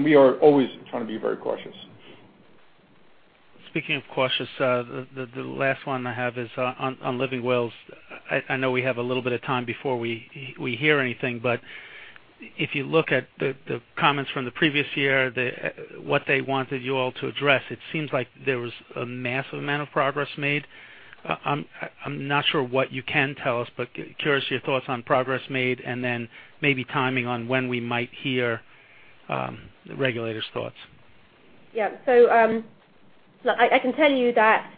We are always trying to be very cautious. Speaking of cautious, the last one I have is on living wills. I know we have a little bit of time before we hear anything. If you look at the comments from the previous year, what they wanted you all to address, it seems like there was a massive amount of progress made. I'm not sure what you can tell us. Curious your thoughts on progress made, and then maybe timing on when we might hear the regulators' thoughts. Yeah. I can tell you that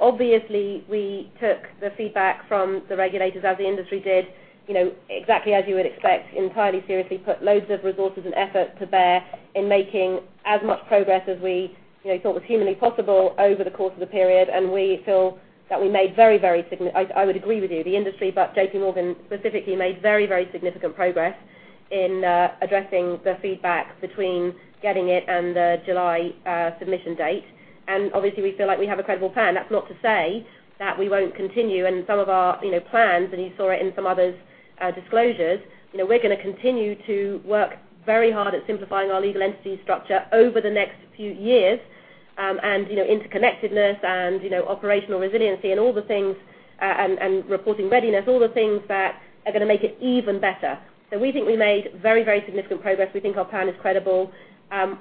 obviously we took the feedback from the regulators as the industry did, exactly as you would expect, entirely seriously, put loads of resources and effort to bear in making as much progress as we thought was humanly possible over the course of the period. We feel that we made very, very significant-- I would agree with you, the industry. JPMorgan specifically made very, very significant progress in addressing the feedback between getting it and the July submission date. Obviously we feel like we have a credible plan. That's not to say that we won't continue. Some of our plans, and you saw it in some others' disclosures, we're going to continue to work very hard at simplifying our legal entity structure over the next few years. Interconnectedness and operational resiliency and reporting readiness, all the things that are going to make it even better. We think we made very, very significant progress. We think our plan is credible.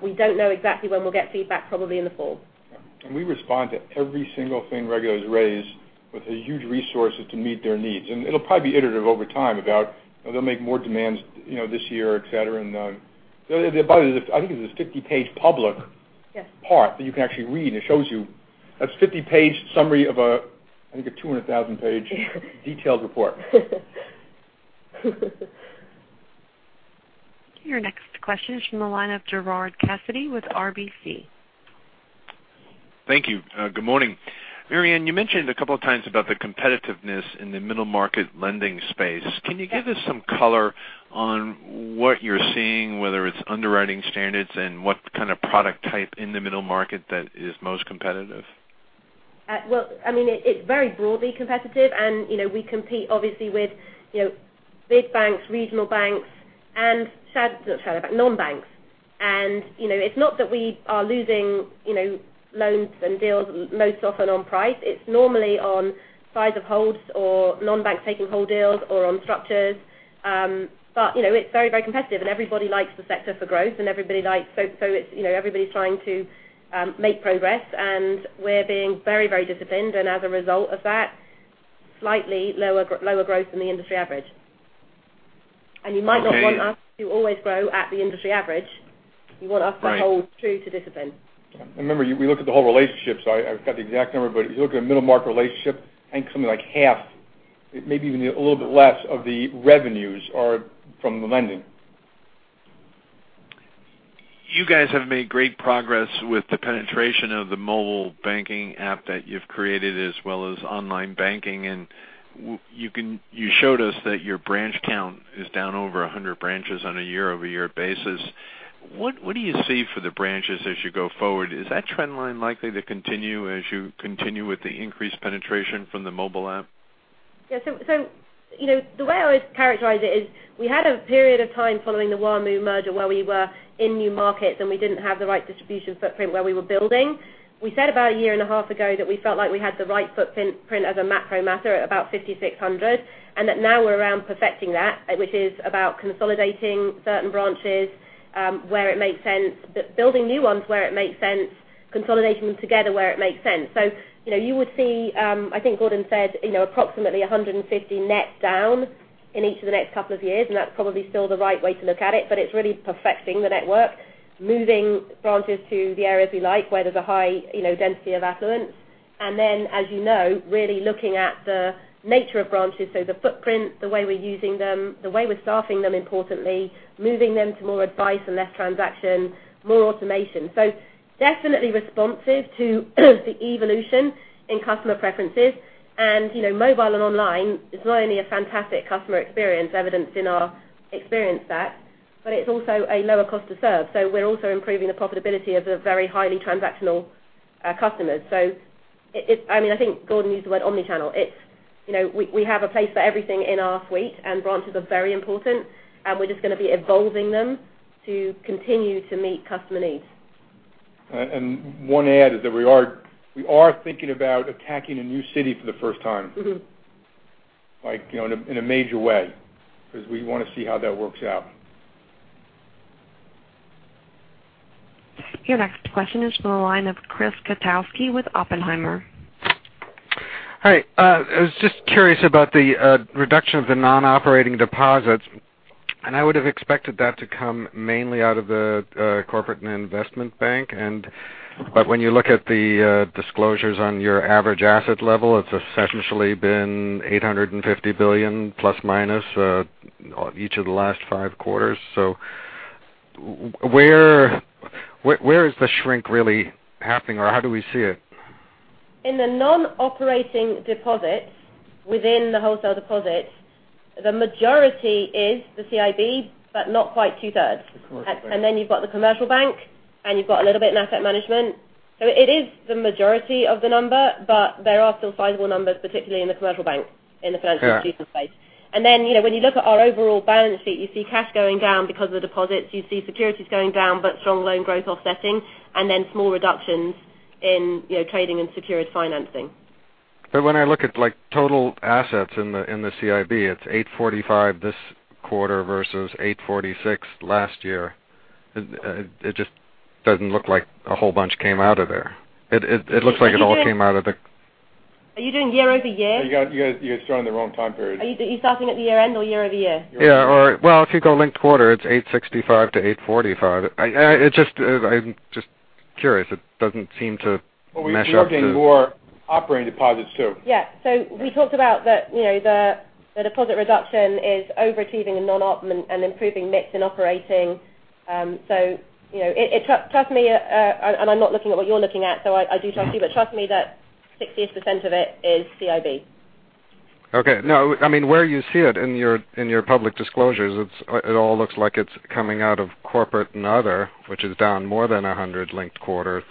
We don't know exactly when we'll get feedback, probably in the fall. We respond to every single thing regulators raise with the huge resources to meet their needs. It'll probably be iterative over time about they'll make more demands this year, et cetera. By the way, I think it's a 50-page public- Yes part that you can actually read, and it shows you. That's a 50-page summary of a, I think a 200,000-page- Yeah detailed report. Your next question is from the line of Gerard Cassidy with RBC. Thank you. Good morning. Marianne, you mentioned a couple of times about the competitiveness in the middle market lending space. Can you give us some color on what you're seeing, whether it's underwriting standards and what kind of product type in the middle market that is most competitive? Well, it's very broadly competitive, we compete obviously with big banks, regional banks, and non-banks. It's not that we are losing loans and deals most often on price. It's normally on size of holds or non-banks taking whole deals or on structures. It's very, very competitive, everybody likes the sector for growth, everybody's trying to make progress, we are being very, very disciplined, as a result of that, slightly lower growth than the industry average. You might not want us to always grow at the industry average. You want us- Right to hold true to discipline. Remember, we look at the whole relationship, I forgot the exact number, if you look at a middle market relationship, I think something like half, maybe even a little bit less of the revenues are from the lending. You guys have made great progress with the penetration of the mobile banking app that you've created, as well as online banking, you showed us that your branch count is down over 100 branches on a year-over-year basis. What do you see for the branches as you go forward? Is that trend line likely to continue as you continue with the increased penetration from the mobile app? The way I always characterize it is we had a period of time following the WaMu merger where we were in new markets, and we didn't have the right distribution footprint where we were building. We said about a year and a half ago that we felt like we had the right footprint as a macro matter at about 5,600, that now we're around perfecting that, which is about consolidating certain branches where it makes sense, building new ones where it makes sense, consolidating them together where it makes sense. You would see, I think Gordon said approximately 150 net down in each of the next couple of years, that's probably still the right way to look at it's really perfecting the network, moving branches to the areas we like, where there's a high density of affluence. Then, as you know, really looking at the nature of branches, the footprint, the way we're using them, the way we're staffing them importantly, moving them to more advice and less transaction, more automation. Definitely responsive to the evolution in customer preferences. Mobile and online is not only a fantastic customer experience evidenced in our experience stats, it's also a lower cost to serve. We're also improving the profitability of the very highly transactional customers. I think Gordon used the word omni-channel. We have a place for everything in our suite, branches are very important, we're just going to be evolving them to continue to meet customer needs. One add is that we are thinking about attacking a new city for the first time. In a major way, because we want to see how that works out. Your next question is from the line of Chris Kotowski with Oppenheimer. Hi. I was just curious about the reduction of the non-operating deposits. I would have expected that to come mainly out of the Corporate & Investment Bank. When you look at the disclosures on your average asset level, it's essentially been $850 billion plus or minus each of the last five quarters. Where is the shrink really happening, or how do we see it? In the non-operating deposits within the wholesale deposits, the majority is the CIB, but not quite two-thirds. Then you've got the commercial bank, and you've got a little bit in asset management. It is the majority of the number, but there are still sizable numbers, particularly in the commercial bank, in the financial solutions space. Yeah. Then when you look at our overall balance sheet, you see cash going down because of the deposits, you see securities going down, strong loan growth offsetting, then small reductions in trading and securities financing. When I look at total assets in the CIB, it's $845 this quarter versus $846 last year. It just doesn't look like a whole bunch came out of there. Are you doing year-over-year? You guys are showing the wrong time periods. Are you starting at the year-end or year-over-year? Yeah. Well, if you go linked quarter, it's $865-$845. I'm just curious. It doesn't seem to mesh up to- Well, we're looking more operating deposits, too. Yeah. We talked about the deposit reduction is over-achieving in non-op and improving mix in operating. Trust me, I'm not looking at what you're looking at, I do trust you. Trust me that 60% of it is CIB. Okay. No, where you see it in your public disclosures, it all looks like it's coming out of corporate and other, which is down more than $100 linked quarter.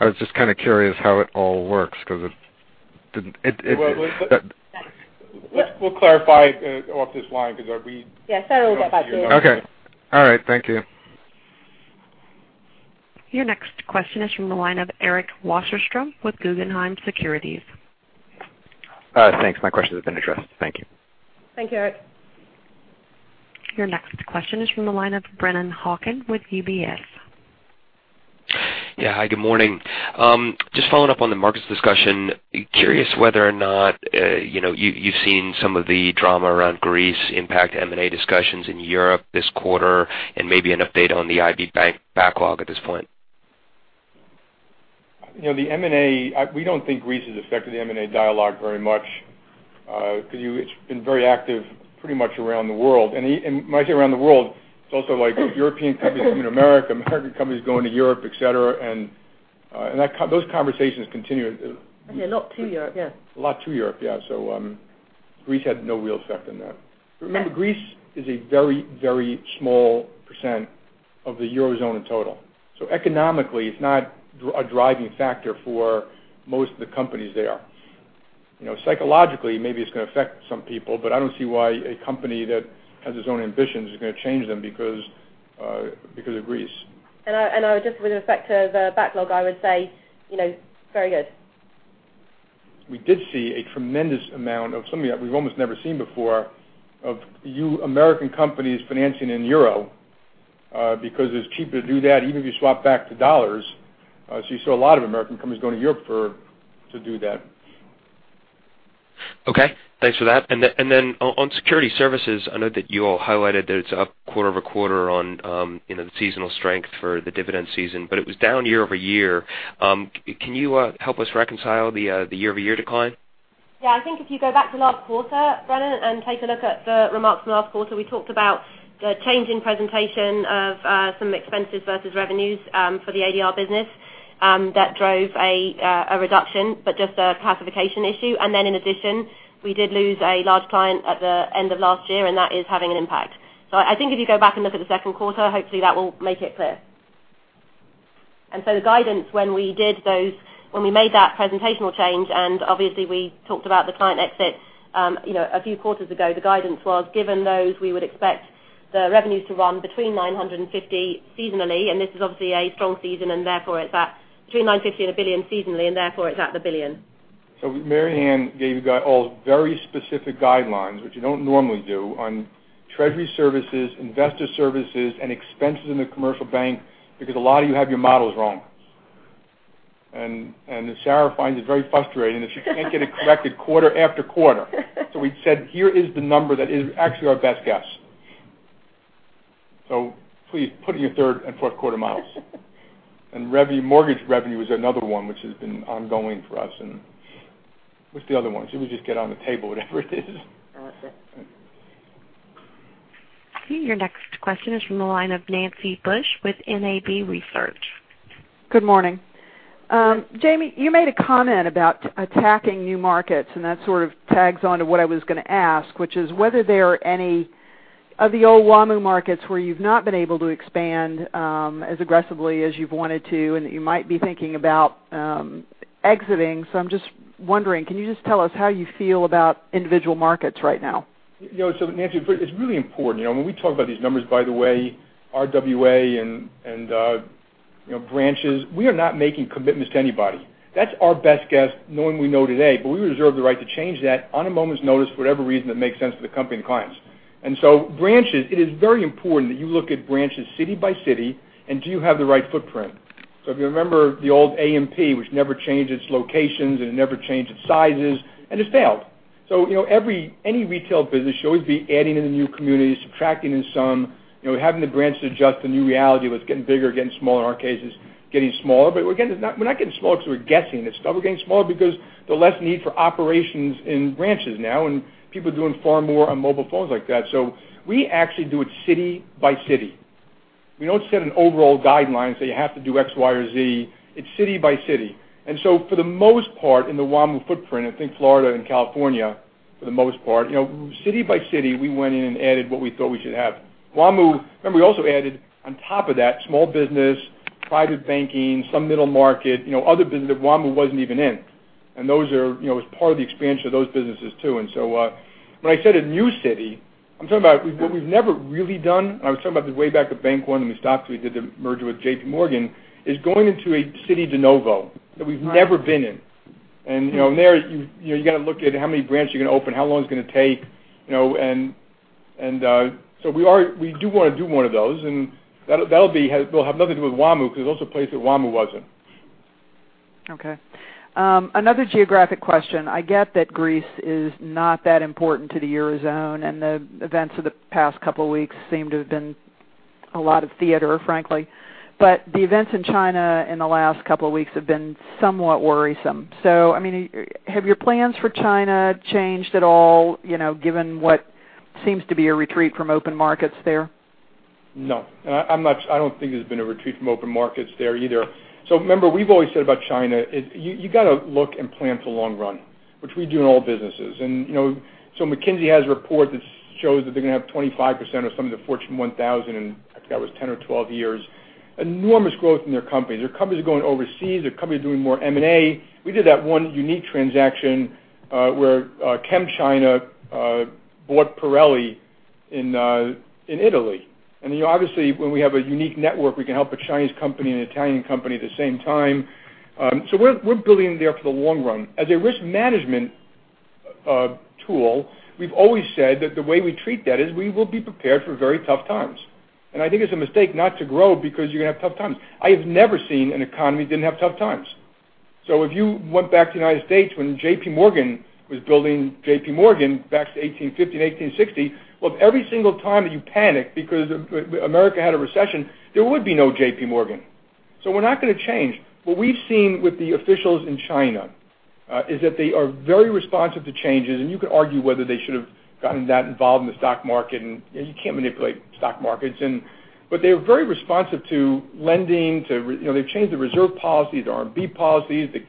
I was just kind of curious how it all works because it didn't- We'll clarify off this line because. Yeah, settle that by DM. Okay. All right. Thank you. Your next question is from the line of Eric Wasserstrom with Guggenheim Securities. Thanks. My question has been addressed. Thank you. Thank you, Eric. Your next question is from the line of Brennan Hawken with UBS. Yeah. Hi, good morning. Just following up on the markets discussion. Curious whether or not you've seen some of the drama around Greece impact M&A discussions in Europe this quarter, and maybe an update on the IB bank backlog at this point. M&A, we don't think Greece has affected the M&A dialogue very much, because it's been very active pretty much around the world. When I say around the world, it's also like European companies coming to America, American companies going to Europe, et cetera. Those conversations continue. A lot to Europe, yeah. A lot to Europe, yeah. Greece had no real effect on that. Remember, Greece is a very small % of the Eurozone in total. Economically, it's not a driving factor for most of the companies there. Psychologically, maybe it's going to affect some people, I don't see why a company that has its own ambitions is going to change them because of Greece. Just with respect to the backlog, I would say very good. We did see a tremendous amount of something that we've almost never seen before of American companies financing in euro because it's cheaper to do that even if you swap back to dollars. You saw a lot of American companies going to Europe to do that. Okay. Thanks for that. Then on Securities Services, I know that you all highlighted that it's up quarter-over-quarter on the seasonal strength for the dividend season, but it was down year-over-year. Can you help us reconcile the year-over-year decline? Yeah, I think if you go back to last quarter, Brennan, and take a look at the remarks from last quarter, we talked about the change in presentation of some expenses versus revenues for the ADR business that drove a reduction, but just a classification issue. Then in addition, we did lose a large client at the end of last year, and that is having an impact. I think if you go back and look at the second quarter, hopefully that will make it clear. The guidance when we made that presentational change, and obviously we talked about the client exits a few quarters ago, the guidance was given those, we would expect the revenues to run between $950 seasonally, and this is obviously a strong season, and therefore it's at between $950 and $1 billion seasonally, and therefore it's at the $1 billion. Marianne gave you all very specific guidelines, which you don't normally do, on Treasury Services, Investor Services, and expenses in the commercial bank because a lot of you have your models wrong. Sarah finds it very frustrating that she can't get it corrected quarter after quarter. We said, "Here is the number that is actually our best guess. Please put in your third and fourth quarter models." Mortgage revenue is another one which has been ongoing for us. What's the other one? Should we just get on the table whatever it is? That's it. Your next question is from the line of Nancy Bush with NAB Research. Good morning. Jamie, you made a comment about attacking new markets, and that sort of tags on to what I was going to ask, which is whether there are any of the old WaMu markets where you've not been able to expand as aggressively as you've wanted to, and that you might be thinking about exiting. I'm just wondering, can you just tell us how you feel about individual markets right now? Nancy, it's really important. When we talk about these numbers, by the way, RWA and branches, we are not making commitments to anybody. That's our best guess knowing what we know today, but we reserve the right to change that on a moment's notice for whatever reason that makes sense for the company and clients. Branches, it is very important that you look at branches city by city and do you have the right footprint. If you remember the old A&P, which never changed its locations and it never changed its sizes, and just failed. Any retail business, you should always be adding in the new communities, subtracting in some, having the branches adjust to the new reality, what's getting bigger, getting smaller. In our case, it's getting smaller. We're not getting smaller because we're guessing this stuff. We're getting smaller because there's less need for operations in branches now. People are doing far more on mobile phones like that. We actually do it city by city. We don't set an overall guideline, say you have to do X, Y, or Z. It's city by city. For the most part, in the WaMu footprint, I think Florida and California, for the most part, city by city, we went in and added what we thought we should have. Remember, we also added on top of that, small business, private banking, some middle Markit, other business that WaMu wasn't even in. That was part of the expansion of those businesses, too. When I said a new city, I'm talking about what we've never really done. I was talking about this way back at Bank One when we stopped. We did the merger with JPMorgan, is going into a city de novo that we've never been in. From there, you've got to look at how many branches you're going to open, how long it's going to take. We do want to do more of those, and that'll have nothing to do with WaMu because those are places that WaMu wasn't. Okay. Another geographic question. I get that Greece is not that important to the Eurozone. The events of the past couple of weeks seem to have been a lot of theater, frankly. The events in China in the last couple of weeks have been somewhat worrisome. Have your plans for China changed at all, given what seems to be a retreat from open markets there? No. I don't think there's been a retreat from open markets there either. Remember, we've always said about China, you've got to look and plan for long run, which we do in all businesses. McKinsey has a report that shows that they're going to have 25% of some of the Fortune 1000 in, I forgot, it was 10 or 12 years. Enormous growth in their companies. There are companies going overseas. There are companies doing more M&A. We did that one unique transaction where ChemChina bought Pirelli in Italy. Obviously, when we have a unique network, we can help a Chinese company and an Italian company at the same time. We're building there for the long run. As a risk management tool, we've always said that the way we treat that is we will be prepared for very tough times. I think it's a mistake not to grow because you're going to have tough times. I have never seen an economy that didn't have tough times. If you went back to the U.S. when JPMorgan was building JPMorgan back to 1850 and 1860, well, every single time that you panic because America had a recession, there would be no JPMorgan. We're not going to change. What we've seen with the officials in China is that they are very responsive to changes. You could argue whether they should have gotten that involved in the stock market. You can't manipulate stock markets. They're very responsive to lending. They've changed the reserve policies, the RMB policies, the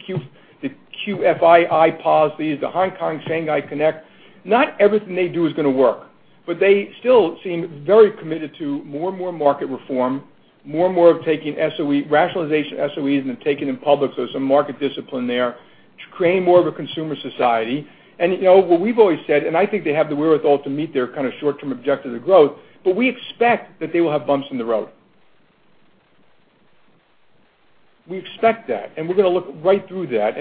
QFII policies, the Shanghai-Hong Kong Stock Connect. Not everything they do is going to work. They still seem very committed to more and more market reform, more and more of taking SOE, rationalization of SOEs, and then taking them public so there's some market discipline there to create more of a consumer society. What we've always said, I think they have the wherewithal to meet their kind of short-term objective of growth. We expect that they will have bumps in the road. We expect that. We're going to look right through that.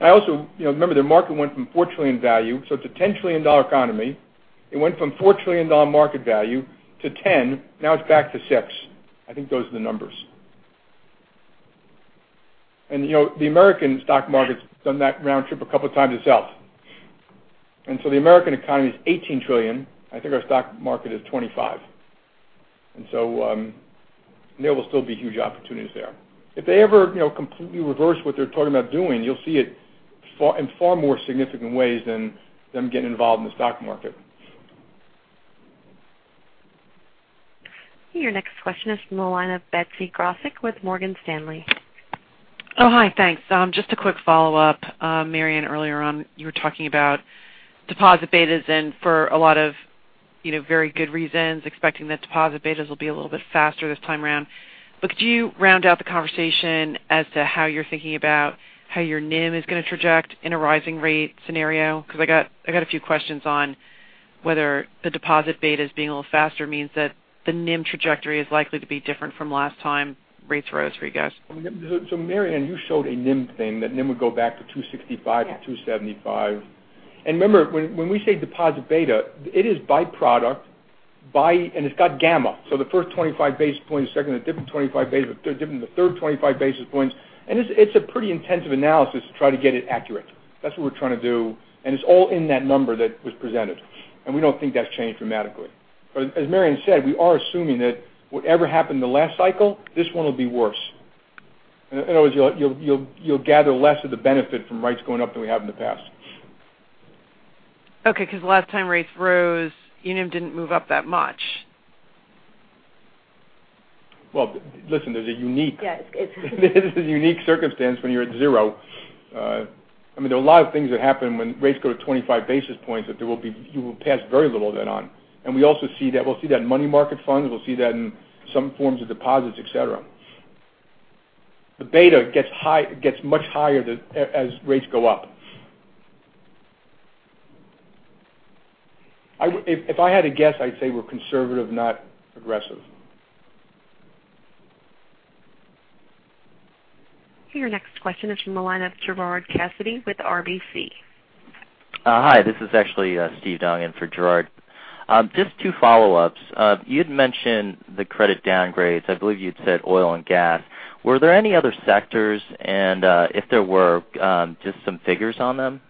Also, remember, their market went from $4 trillion value, so it's a $10 trillion economy. It went from $4 trillion market value to $10 trillion. Now it's back to $6 trillion. I think those are the numbers. The American stock market's done that round trip a couple of times itself. The American economy is $18 trillion. I think our stock market is $25 trillion. There will still be huge opportunities there. If they ever completely reverse what they're talking about doing, you'll see it in far more significant ways than them getting involved in the stock market. Your next question is from the line of Betsy Graseck with Morgan Stanley. Oh, hi. Thanks. Just a quick follow-up. Marianne, earlier on, you were talking about deposit betas and for a lot of very good reasons, expecting that deposit betas will be a little bit faster this time around. Could you round out the conversation as to how you're thinking about how your NIM is going to traject in a rising rate scenario? Because I got a few questions on whether the deposit betas being a little faster means that the NIM trajectory is likely to be different from last time rates rose for you guys. Marianne, you showed a NIM thing that NIM would go back to 265- Yeah to 275. Remember, when we say deposit beta, it is byproduct, and it's got gamma. The first 25 basis points, second, a different 25 basis, third different, the third 25 basis points. It's a pretty intensive analysis to try to get it accurate. That's what we're trying to do, and it's all in that number that was presented. We don't think that's changed dramatically. As Marianne said, we are assuming that whatever happened in the last cycle, this one will be worse. In other words, you'll gather less of the benefit from rates going up than we have in the past. Okay, because last time rates rose, our NIM didn't move up that much. Well, listen, there's a. Yeah. It's a unique circumstance when you're at zero. There are a lot of things that happen when rates go to 25 basis points that you will pass very little of that on. We also see that we'll see that in money market funds, we'll see that in some forms of deposits, et cetera. The beta gets much higher as rates go up. If I had to guess, I'd say we're conservative, not aggressive. Your next question is from the line of Gerard Cassidy with RBC. Hi, this is actually Steven Dong in for Gerard. Just two follow-ups. You'd mentioned the credit downgrades. I believe you'd said oil and gas. Were there any other sectors? If there were, just some figures on them?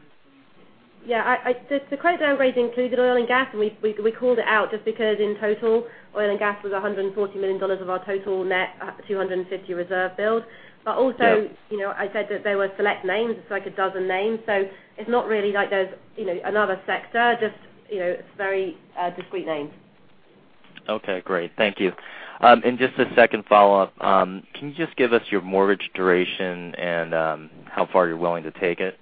Yeah. The credit downgrades included oil and gas, and we called it out just because in total, oil and gas was $140 million of our total net 250 reserve build. Yeah I said that there were select names. It's like a dozen names. It's not really like there's another sector, just very discreet names. Okay, great. Thank you. Just a second follow-up. Can you just give us your mortgage duration and how far you're willing to take it?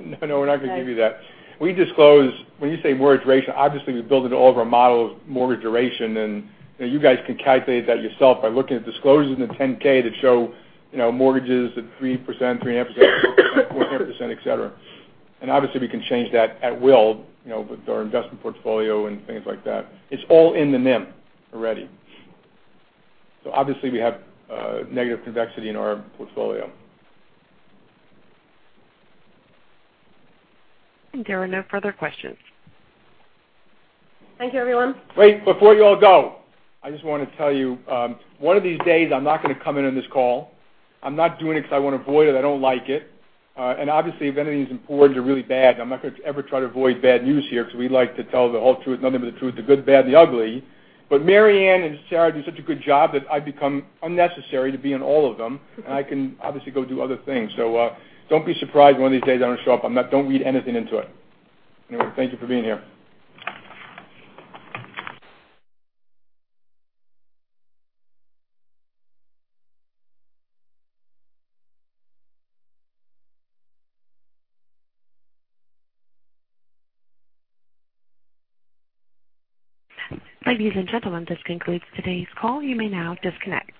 No, we're not going to give you that. When you say mortgage duration, obviously we build into all of our models mortgage duration, and you guys can calculate that yourself by looking at disclosures in the 10-K that show mortgages at 3%, 3.5%, 4%, 4.5%, et cetera. Obviously, we can change that at will with our investment portfolio and things like that. It's all in the NIM already. Obviously, we have negative convexity in our portfolio. There are no further questions. Thank you, everyone. Wait, before you all go, I just want to tell you, one of these days I'm not going to come in on this call. I'm not doing it because I want to avoid it. I don't like it. Obviously, if any of these reports are really bad, I'm not going to ever try to avoid bad news here because we like to tell the whole truth, nothing but the truth, the good, the bad, and the ugly. Marianne and Sarah do such a good job that I become unnecessary to be in all of them, and I can obviously go do other things. Don't be surprised one of these days I don't show up. Don't read anything into it. Thank you for being here. Ladies and gentlemen, this concludes today's call. You may now disconnect.